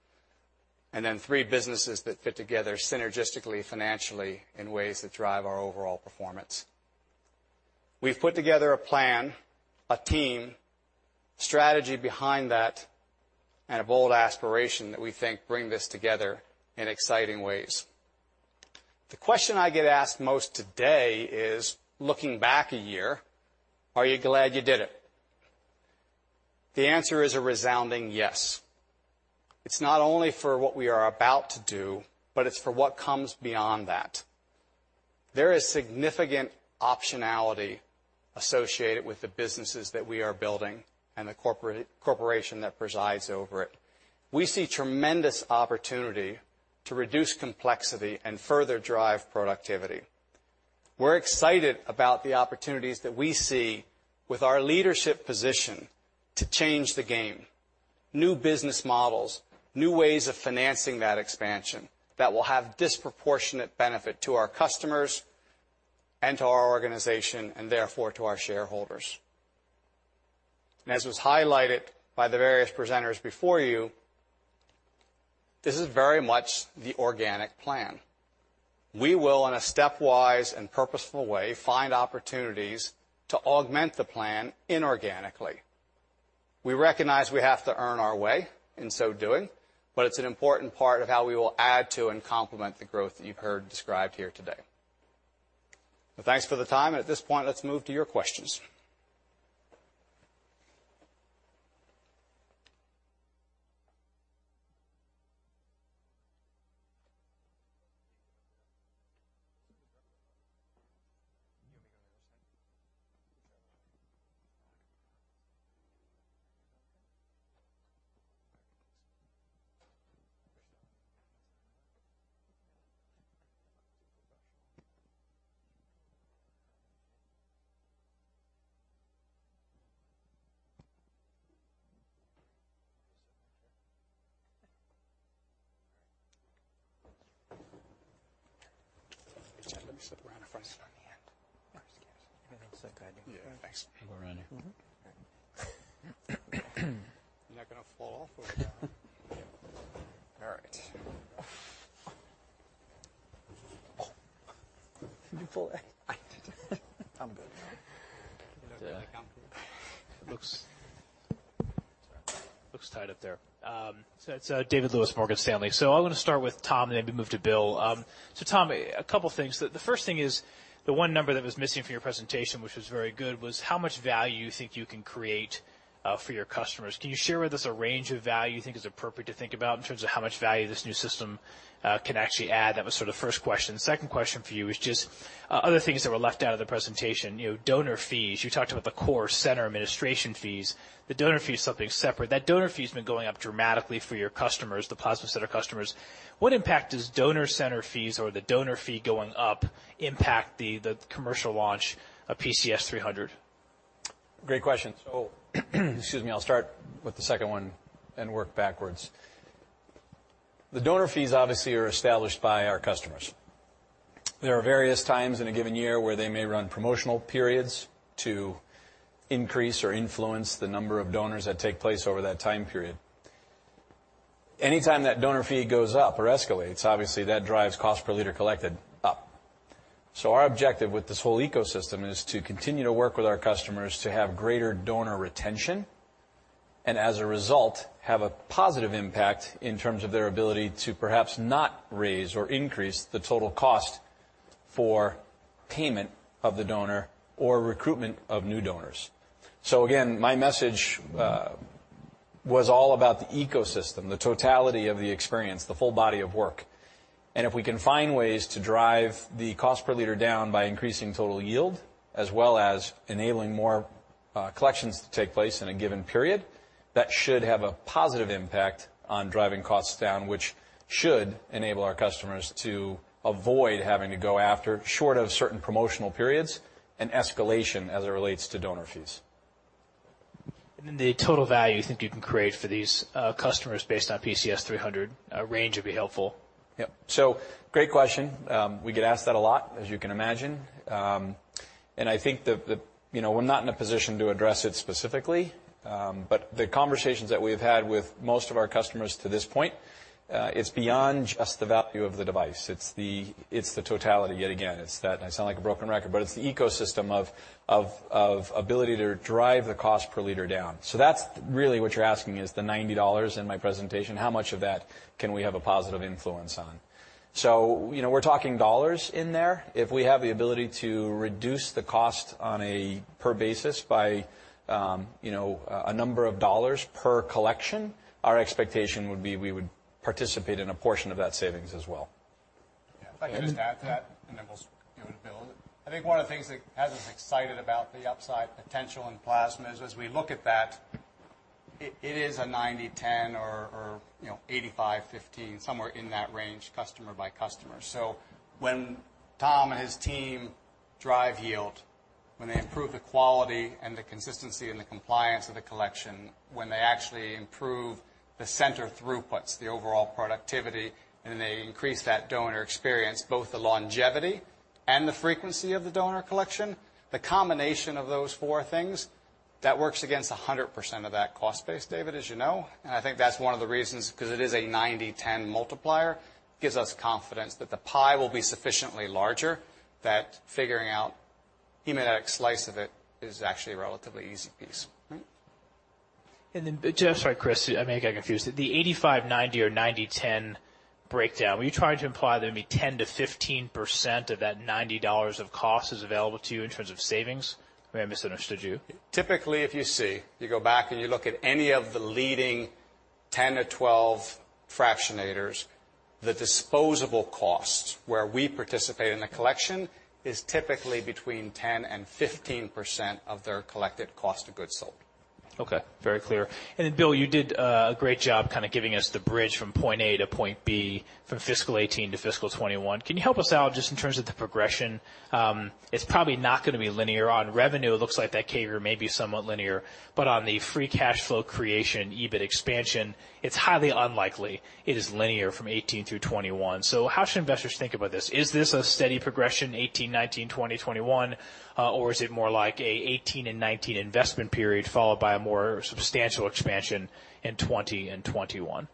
Three businesses that fit together synergistically, financially in ways that drive our overall performance. We've put together a plan, a team, strategy behind that, and a bold aspiration that we think bring this together in exciting ways. The question I get asked most today is, looking back a year, are you glad you did it? The answer is a resounding yes. It's not only for what we are about to do, but it's for what comes beyond that. There is significant optionality associated with the businesses that we are building and the corporation that presides over it. We see tremendous opportunity to reduce complexity and further drive productivity. We're excited about the opportunities that we see with our leadership position to change the game. New business models, new ways of financing that expansion that will have disproportionate benefit to our customers and to our organization, and therefore to our shareholders. As was highlighted by the various presenters before you, this is very much the organic plan. We will, in a stepwise and purposeful way, find opportunities to augment the plan inorganically. We recognize we have to earn our way in so doing, but it's an important part of how we will add to and complement the growth that you've heard described here today. Well, thanks for the time, and at this point, let's move to your questions. You want me to go on the other side? Okay. All right. Professional. All right. You're not going to fall off over there, Tom? All right. Did you pull a I did. I'm good now. It looks tight up there. It's David Lewis, Morgan Stanley. I want to start with Tom, and then maybe move to Bill. Tom, a couple of things. The first thing is the one number that was missing from your presentation, which was very good, was how much value you think you can create for your customers. Can you share with us a range of value you think is appropriate to think about in terms of how much value this new system can actually add? That was sort of first question. Second question for you is just other things that were left out of the presentation. Donor fees. You talked about the core center administration fees. The donor fee is something separate. That donor fee's been going up dramatically for your customers, the plasma center customers. What impact does donor center fees or the donor fee going up impact the commercial launch of NexSys PCS? Great question. Excuse me. I'll start with the second one and work backwards. The donor fees obviously are established by our customers. There are various times in a given year where they may run promotional periods to increase or influence the number of donors that take place over that time period. Anytime that donor fee goes up or escalates, obviously that drives cost per liter collected up. Our objective with this whole ecosystem is to continue to work with our customers to have greater donor retention, and as a result, have a positive impact in terms of their ability to perhaps not raise or increase the total cost for payment of the donor or recruitment of new donors. Again, my message was all about the ecosystem, the totality of the experience, the full body of work. If we can find ways to drive the cost per liter down by increasing total yield, as well as enabling more collections to take place in a given period, that should have a positive impact on driving costs down, which should enable our customers to avoid having to go after, short of certain promotional periods, an escalation as it relates to donor fees. Then the total value you think you can create for these customers based on NexSys PCS, a range would be helpful. Yep. Great question. We get asked that a lot, as you can imagine. I think that we're not in a position to address it specifically. The conversations that we've had with most of our customers to this point, it's beyond just the value of the device. It's the totality, yet again. I sound like a broken record, but it's the ecosystem of ability to drive the cost per liter down. That's really what you're asking is the $90 in my presentation, how much of that can we have a positive influence on? We're talking dollars in there. If we have the ability to reduce the cost on a per basis by a number of dollars per collection, our expectation would be we would participate in a portion of that savings as well. Yeah. If I could just add to that. I think one of the things that has us excited about the upside potential in plasma is as we look at that, it is a 90/10 or 85/15, somewhere in that range, customer by customer. When Tom and his team drive yield, when they improve the quality and the consistency and the compliance of the collection, when they actually improve the center throughputs, the overall productivity, and they increase that donor experience, both the longevity and the frequency of the donor collection, the combination of those four things, that works against 100% of that cost base, David, as you know. I think that's one of the reasons, because it is a 90/10 multiplier, gives us confidence that the pie will be sufficiently larger, that figuring out Haemonetics' slice of it is actually a relatively easy piece. Right? Sorry, Chris, I may get confused. The 85/90 or 90/10 breakdown, were you trying to imply that maybe 10%-15% of that $90 of cost is available to you in terms of savings? Maybe I misunderstood you. Typically, if you see, you go back and you look at any of the leading 10 to 12 fractionators, the disposable costs where we participate in the collection is typically between 10% and 15% of their collected cost of goods sold. Okay. Very clear. Bill, you did a great job kind of giving us the bridge from point A to point B from fiscal 2018 to fiscal 2021. Can you help us out just in terms of the progression? It's probably not going to be linear. On revenue, it looks like that CAGR may be somewhat linear. On the free cash flow creation, EBIT expansion, it's highly unlikely it is linear from 2018 through 2021. How should investors think about this? Is this a steady progression, 2018, 2019, 2020, 2021, or is it more like a 2018 and 2019 investment period followed by a more substantial expansion in 2020 and 2021?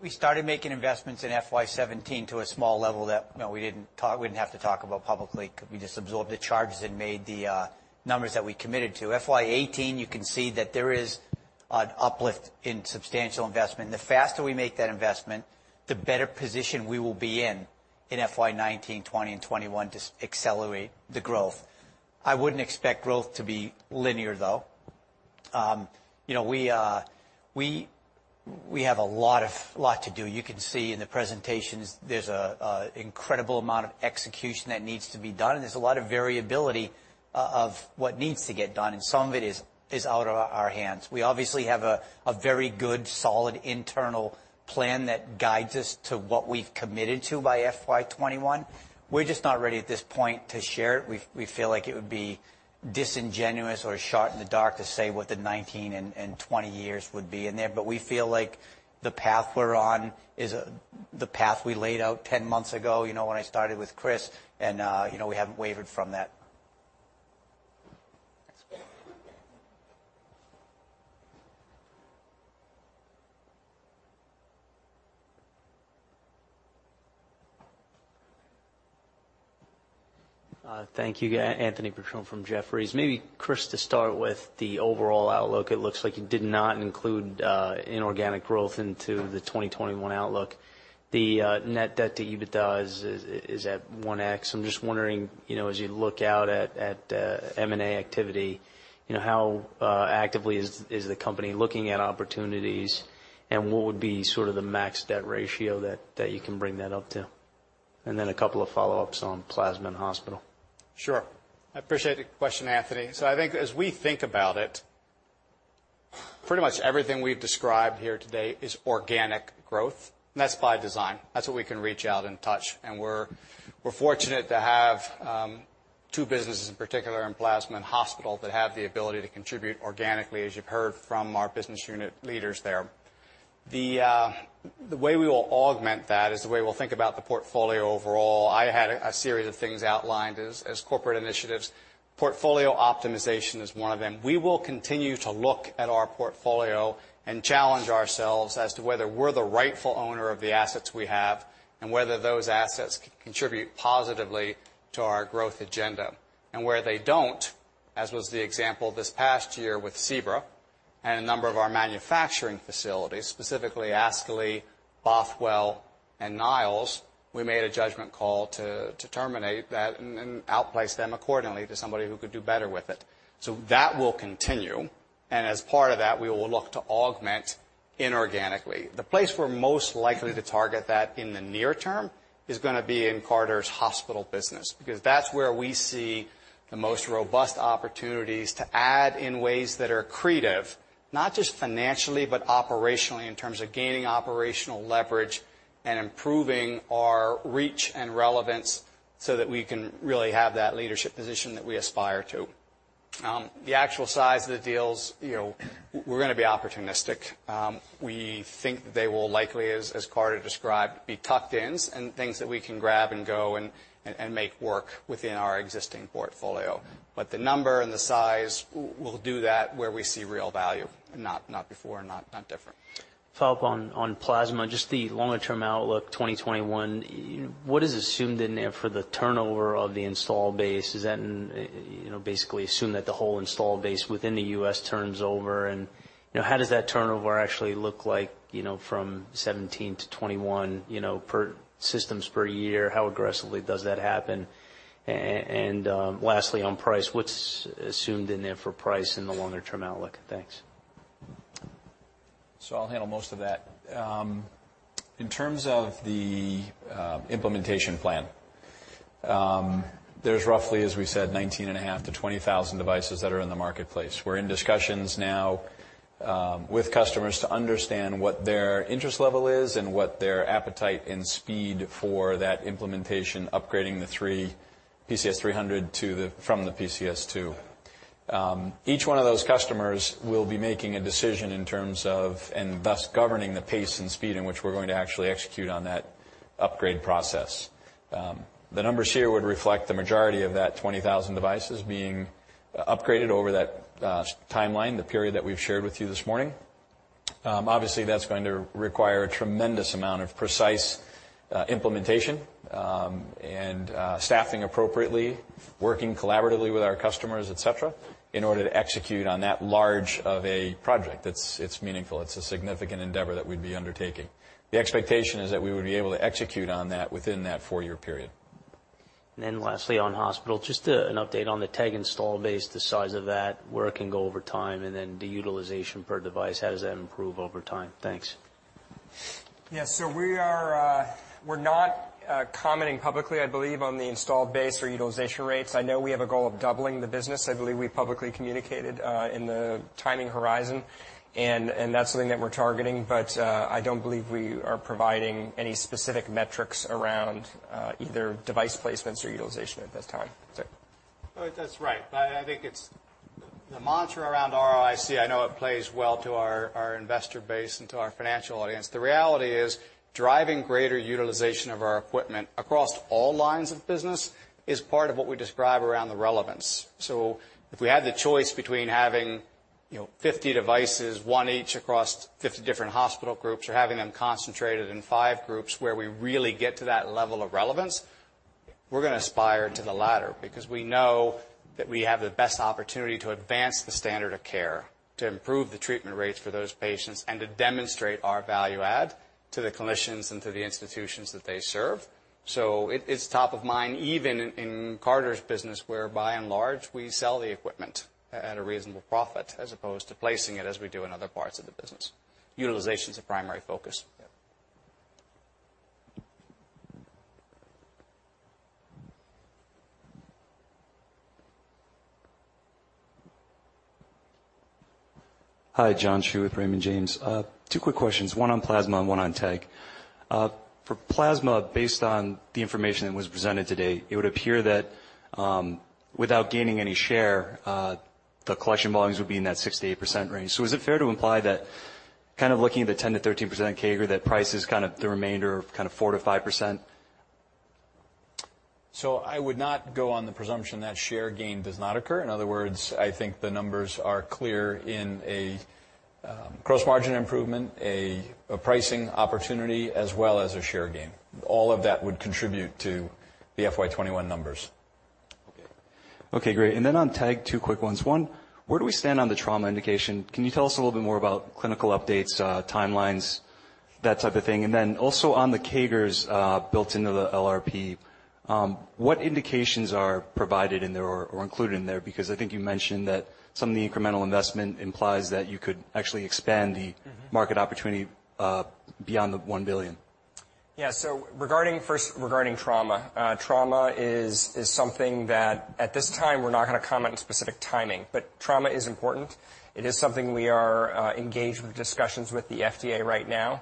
We started making investments in FY 2017 to a small level that we didn't have to talk about publicly because we just absorbed the charges and made the numbers that we committed to. FY 2018, you can see that there is an uplift in substantial investment. The faster we make that investment, the better position we will be in in FY 2019, 2020, and 2021 to accelerate the growth. I wouldn't expect growth to be linear, though. We have a lot to do. You can see in the presentations, there's an incredible amount of execution that needs to be done, and there's a lot of variability of what needs to get done, and some of it is out of our hands. We obviously have a very good, solid internal plan that guides us to what we've committed to by FY 2021. We're just not ready at this point to share it. We feel like it would be disingenuous or a shot in the dark to say what the 2019 and 2020 years would be in there. We feel like the path we're on is the path we laid out 10 months ago, when I started with Chris, and we haven't wavered from that. That's fine. Thank you. Anthony Petrone from Jefferies. Maybe Chris, to start with the overall outlook, it looks like you did not include inorganic growth into the 2021 outlook. The net debt to EBITDA is at 1x. I'm just wondering, as you look out at M&A activity, how actively is the company looking at opportunities, and what would be sort of the max debt ratio that you can bring that up to? A couple of follow-ups on plasma and hospital. Sure. I appreciate the question, Anthony. I think as we think about it, pretty much everything we've described here today is organic growth, and that's by design. That's what we can reach out and touch, and we're fortunate to have two businesses in particular in plasma and hospital that have the ability to contribute organically, as you've heard from our business unit leaders there. The way we will augment that is the way we'll think about the portfolio overall. I had a series of things outlined as corporate initiatives. Portfolio optimization is one of them. We will continue to look at our portfolio and challenge ourselves as to whether we're the rightful owner of the assets we have and whether those assets contribute positively to our growth agenda. Where they don't, as was the example this past year with SEBRA and a number of our manufacturing facilities, specifically Ascoli-Piceno, Bothell, and Niles, we made a judgment call to terminate that and outplace them accordingly to somebody who could do better with it. That will continue, and as part of that, we will look to augment inorganically. The place we're most likely to target that in the near term is going to be in Carter's hospital business, because that's where we see the most robust opportunities to add in ways that are accretive, not just financially, but operationally in terms of gaining operational leverage and improving our reach and relevance so that we can really have that leadership position that we aspire to. The actual size of the deals, we're going to be opportunistic. We think they will likely, as Carter described, be tucked-ins and things that we can grab and go and make work within our existing portfolio. The number and the size, we'll do that where we see real value, not before and not different. Follow-up on plasma, just the longer-term outlook, 2021. What is assumed in there for the turnover of the install base? Is that basically assumed that the whole install base within the U.S. turns over, and how does that turnover actually look like from 2017 to 2021 systems per year? How aggressively does that happen? Lastly, on price, what's assumed in there for price in the longer-term outlook? Thanks. I'll handle most of that. In terms of the implementation plan, there's roughly, as we said, 19,500 to 20,000 devices that are in the marketplace. We're in discussions now with customers to understand what their interest level is and what their appetite and speed for that implementation, upgrading the NexSys PCS from the PCS2. Each one of those customers will be making a decision in terms of, and thus governing the pace and speed in which we're going to actually execute on that upgrade process. The numbers here would reflect the majority of that 20,000 devices being upgraded over that timeline, the period that we've shared with you this morning. Obviously, that's going to require a tremendous amount of precise implementation, and staffing appropriately, working collaboratively with our customers, et cetera, in order to execute on that large of a project. It's meaningful. It's a significant endeavor that we'd be undertaking. The expectation is that we would be able to execute on that within that four-year period. lastly, on hospital, just an update on the TEG install base, the size of that, where it can go over time, and the utilization per device, how does that improve over time? Thanks. Yes. We're not commenting publicly, I believe, on the installed base or utilization rates. I know we have a goal of doubling the business, I believe we publicly communicated in the timing horizon, and that's something that we're targeting. I don't believe we are providing any specific metrics around either device placements or utilization at this time. That's it. That's right. I think it's the mantra around ROIC, I know it plays well to our investor base and to our financial audience. The reality is driving greater utilization of our equipment across all lines of business is part of what we describe around the relevance. If we had the choice between having 50 devices, one each across 50 different hospital groups, or having them concentrated in five groups where we really get to that level of relevance, we're going to aspire to the latter because we know that we have the best opportunity to advance the standard of care, to improve the treatment rates for those patients, and to demonstrate our value add to the clinicians and to the institutions that they serve. It's top of mind, even in Carter's business, where by and large, we sell the equipment at a reasonable profit as opposed to placing it as we do in other parts of the business. Utilization's the primary focus. Yeah. Hi, John Hsu with Raymond James. Two quick questions, one on plasma and one on TEG. For plasma, based on the information that was presented today, it would appear that without gaining any share, the collection volumes would be in that 6%-8% range. Is it fair to imply that kind of looking at the 10%-13% CAGR, that price is kind of the remainder of kind of 4%-5%? I would not go on the presumption that share gain does not occur. In other words, I think the numbers are clear in a gross margin improvement, a pricing opportunity, as well as a share gain. All of that would contribute to the FY 2021 numbers. Okay. Okay, great. On TEG, two quick ones. One, where do we stand on the trauma indication? Can you tell us a little bit more about clinical updates, timelines, that type of thing? Also on the CAGRs built into the LRP, what indications are provided in there or included in there? Because I think you mentioned that some of the incremental investment implies that you could actually expand the- market opportunity beyond the $1 billion. First, regarding trauma. Trauma is something that at this time we're not going to comment on specific timing, but trauma is important. It is something we are engaged with discussions with the FDA right now.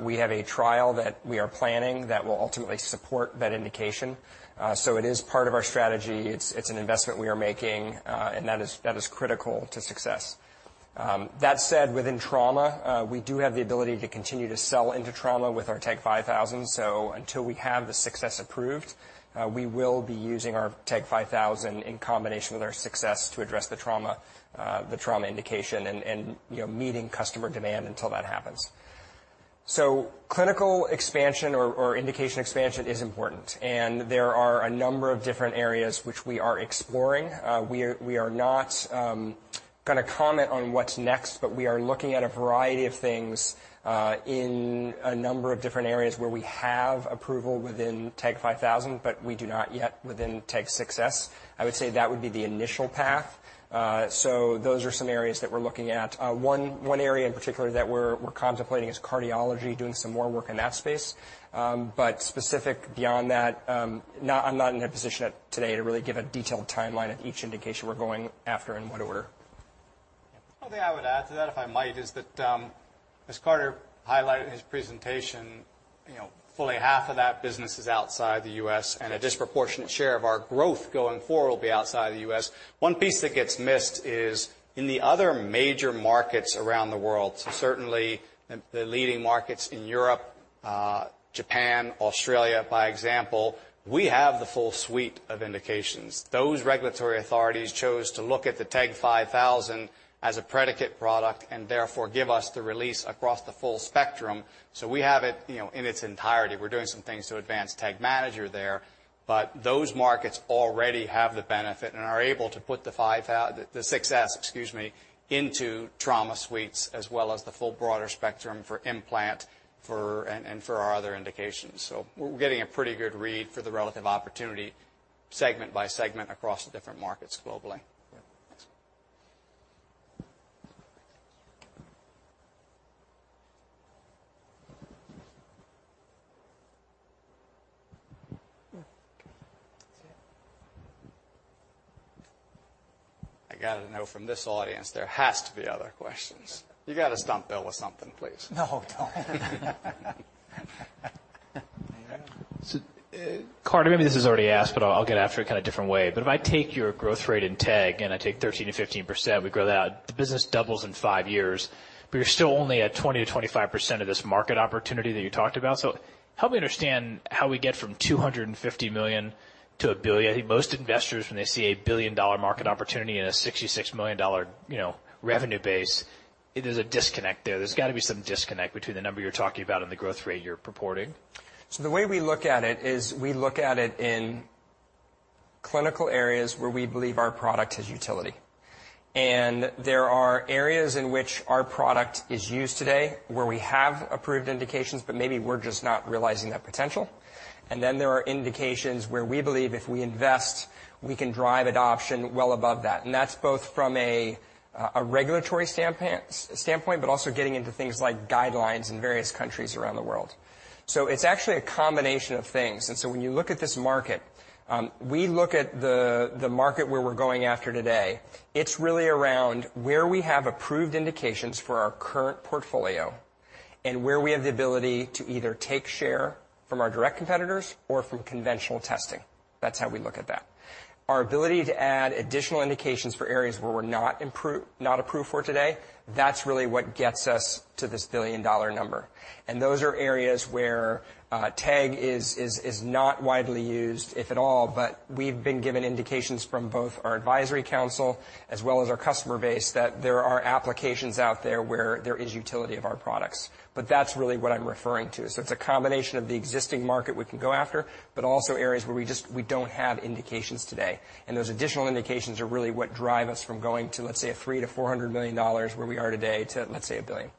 We have a trial that we are planning that will ultimately support that indication. It is part of our strategy. It's an investment we are making, and that is critical to success. That said, within trauma, we do have the ability to continue to sell into trauma with our TEG 5000. Until we have the TEG 6s approved, we will be using our TEG 5000 in combination with our TEG 6s to address the trauma indication and meeting customer demand until that happens. Clinical expansion or indication expansion is important, and there are a number of different areas which we are exploring. We are not going to comment on what's next, we are looking at a variety of things in a number of different areas where we have approval within TEG 5000, but we do not yet within TEG 6s. I would say that would be the initial path. Those are some areas that we're looking at. One area in particular that we're contemplating is cardiology, doing some more work in that space. Specific beyond that, I'm not in a position today to really give a detailed timeline of each indication we're going after in what order. The only thing I would add to that, if I might, is that as Carter highlighted in his presentation, fully half of that business is outside the U.S., and a disproportionate share of our growth going forward will be outside the U.S. One piece that gets missed is in the other major markets around the world, certainly the leading markets in Europe, Japan, Australia, by example, we have the full suite of indications. Those regulatory authorities chose to look at the TEG 5000 as a predicate product and therefore give us the release across the full spectrum. We have it in its entirety. We're doing some things to advance TEG Manager there, but those markets already have the benefit and are able to put the TEG 6s into trauma suites as well as the full broader spectrum for implant and for our other indications. We're getting a pretty good read for the relative opportunity segment by segment across the different markets globally. Yeah. That's it. I got to know from this audience, there has to be other questions. You got to stump Bill with something, please. No, don't. Carter, maybe this is already asked, but I'll get after it kind of different way. If I take your growth rate in TEG and I take 13%-15%, we grow that, the business doubles in 5 years, but you're still only at 20%-25% of this market opportunity that you talked about. Help me understand how we get from $250 million to $1 billion. I think most investors, when they see a billion-dollar market opportunity and a $66 million revenue base, there's a disconnect there. There's got to be some disconnect between the number you're talking about and the growth rate you're purporting. The way we look at it is we look at it in clinical areas where we believe our product has utility. There are areas in which our product is used today where we have approved indications, but maybe we're just not realizing that potential. There are indications where we believe if we invest, we can drive adoption well above that. That's both from a regulatory standpoint, but also getting into things like guidelines in various countries around the world. It's actually a combination of things. When you look at this market, we look at the market where we're going after today. It's really around where we have approved indications for our current portfolio and where we have the ability to either take share from our direct competitors or from conventional testing. That's how we look at that. Our ability to add additional indications for areas where we're not approved for today, that's really what gets us to this billion-dollar number. Those are areas where TEG is not widely used, if at all, but we've been given indications from both our advisory council as well as our customer base that there are applications out there where there is utility of our products. That's really what I'm referring to. It's a combination of the existing market we can go after, but also areas where we don't have indications today. Those additional indications are really what drive us from going to, let's say, a three to $400 million where we are today to, let's say, a billion.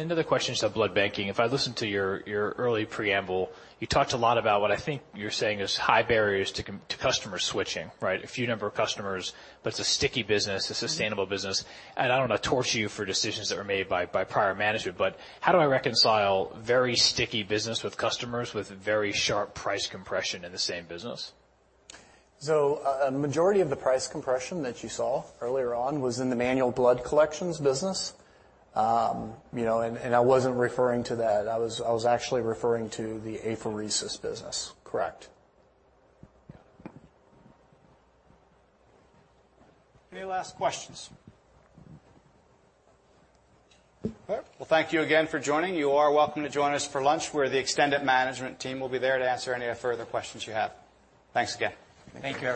Another question is blood banking. If I listen to your early preamble, you talked a lot about what I think you're saying is high barriers to customer switching, right? A few number of customers, but it's a sticky business, a sustainable business. I don't want to torch you for decisions that were made by prior management, but how do I reconcile very sticky business with customers with very sharp price compression in the same business? A majority of the price compression that you saw earlier on was in the manual blood collections business. I wasn't referring to that. I was actually referring to the apheresis business, correct. Any last questions? All right. Well, thank you again for joining. You are welcome to join us for lunch, where the extended management team will be there to answer any further questions you have. Thanks again. Thank you.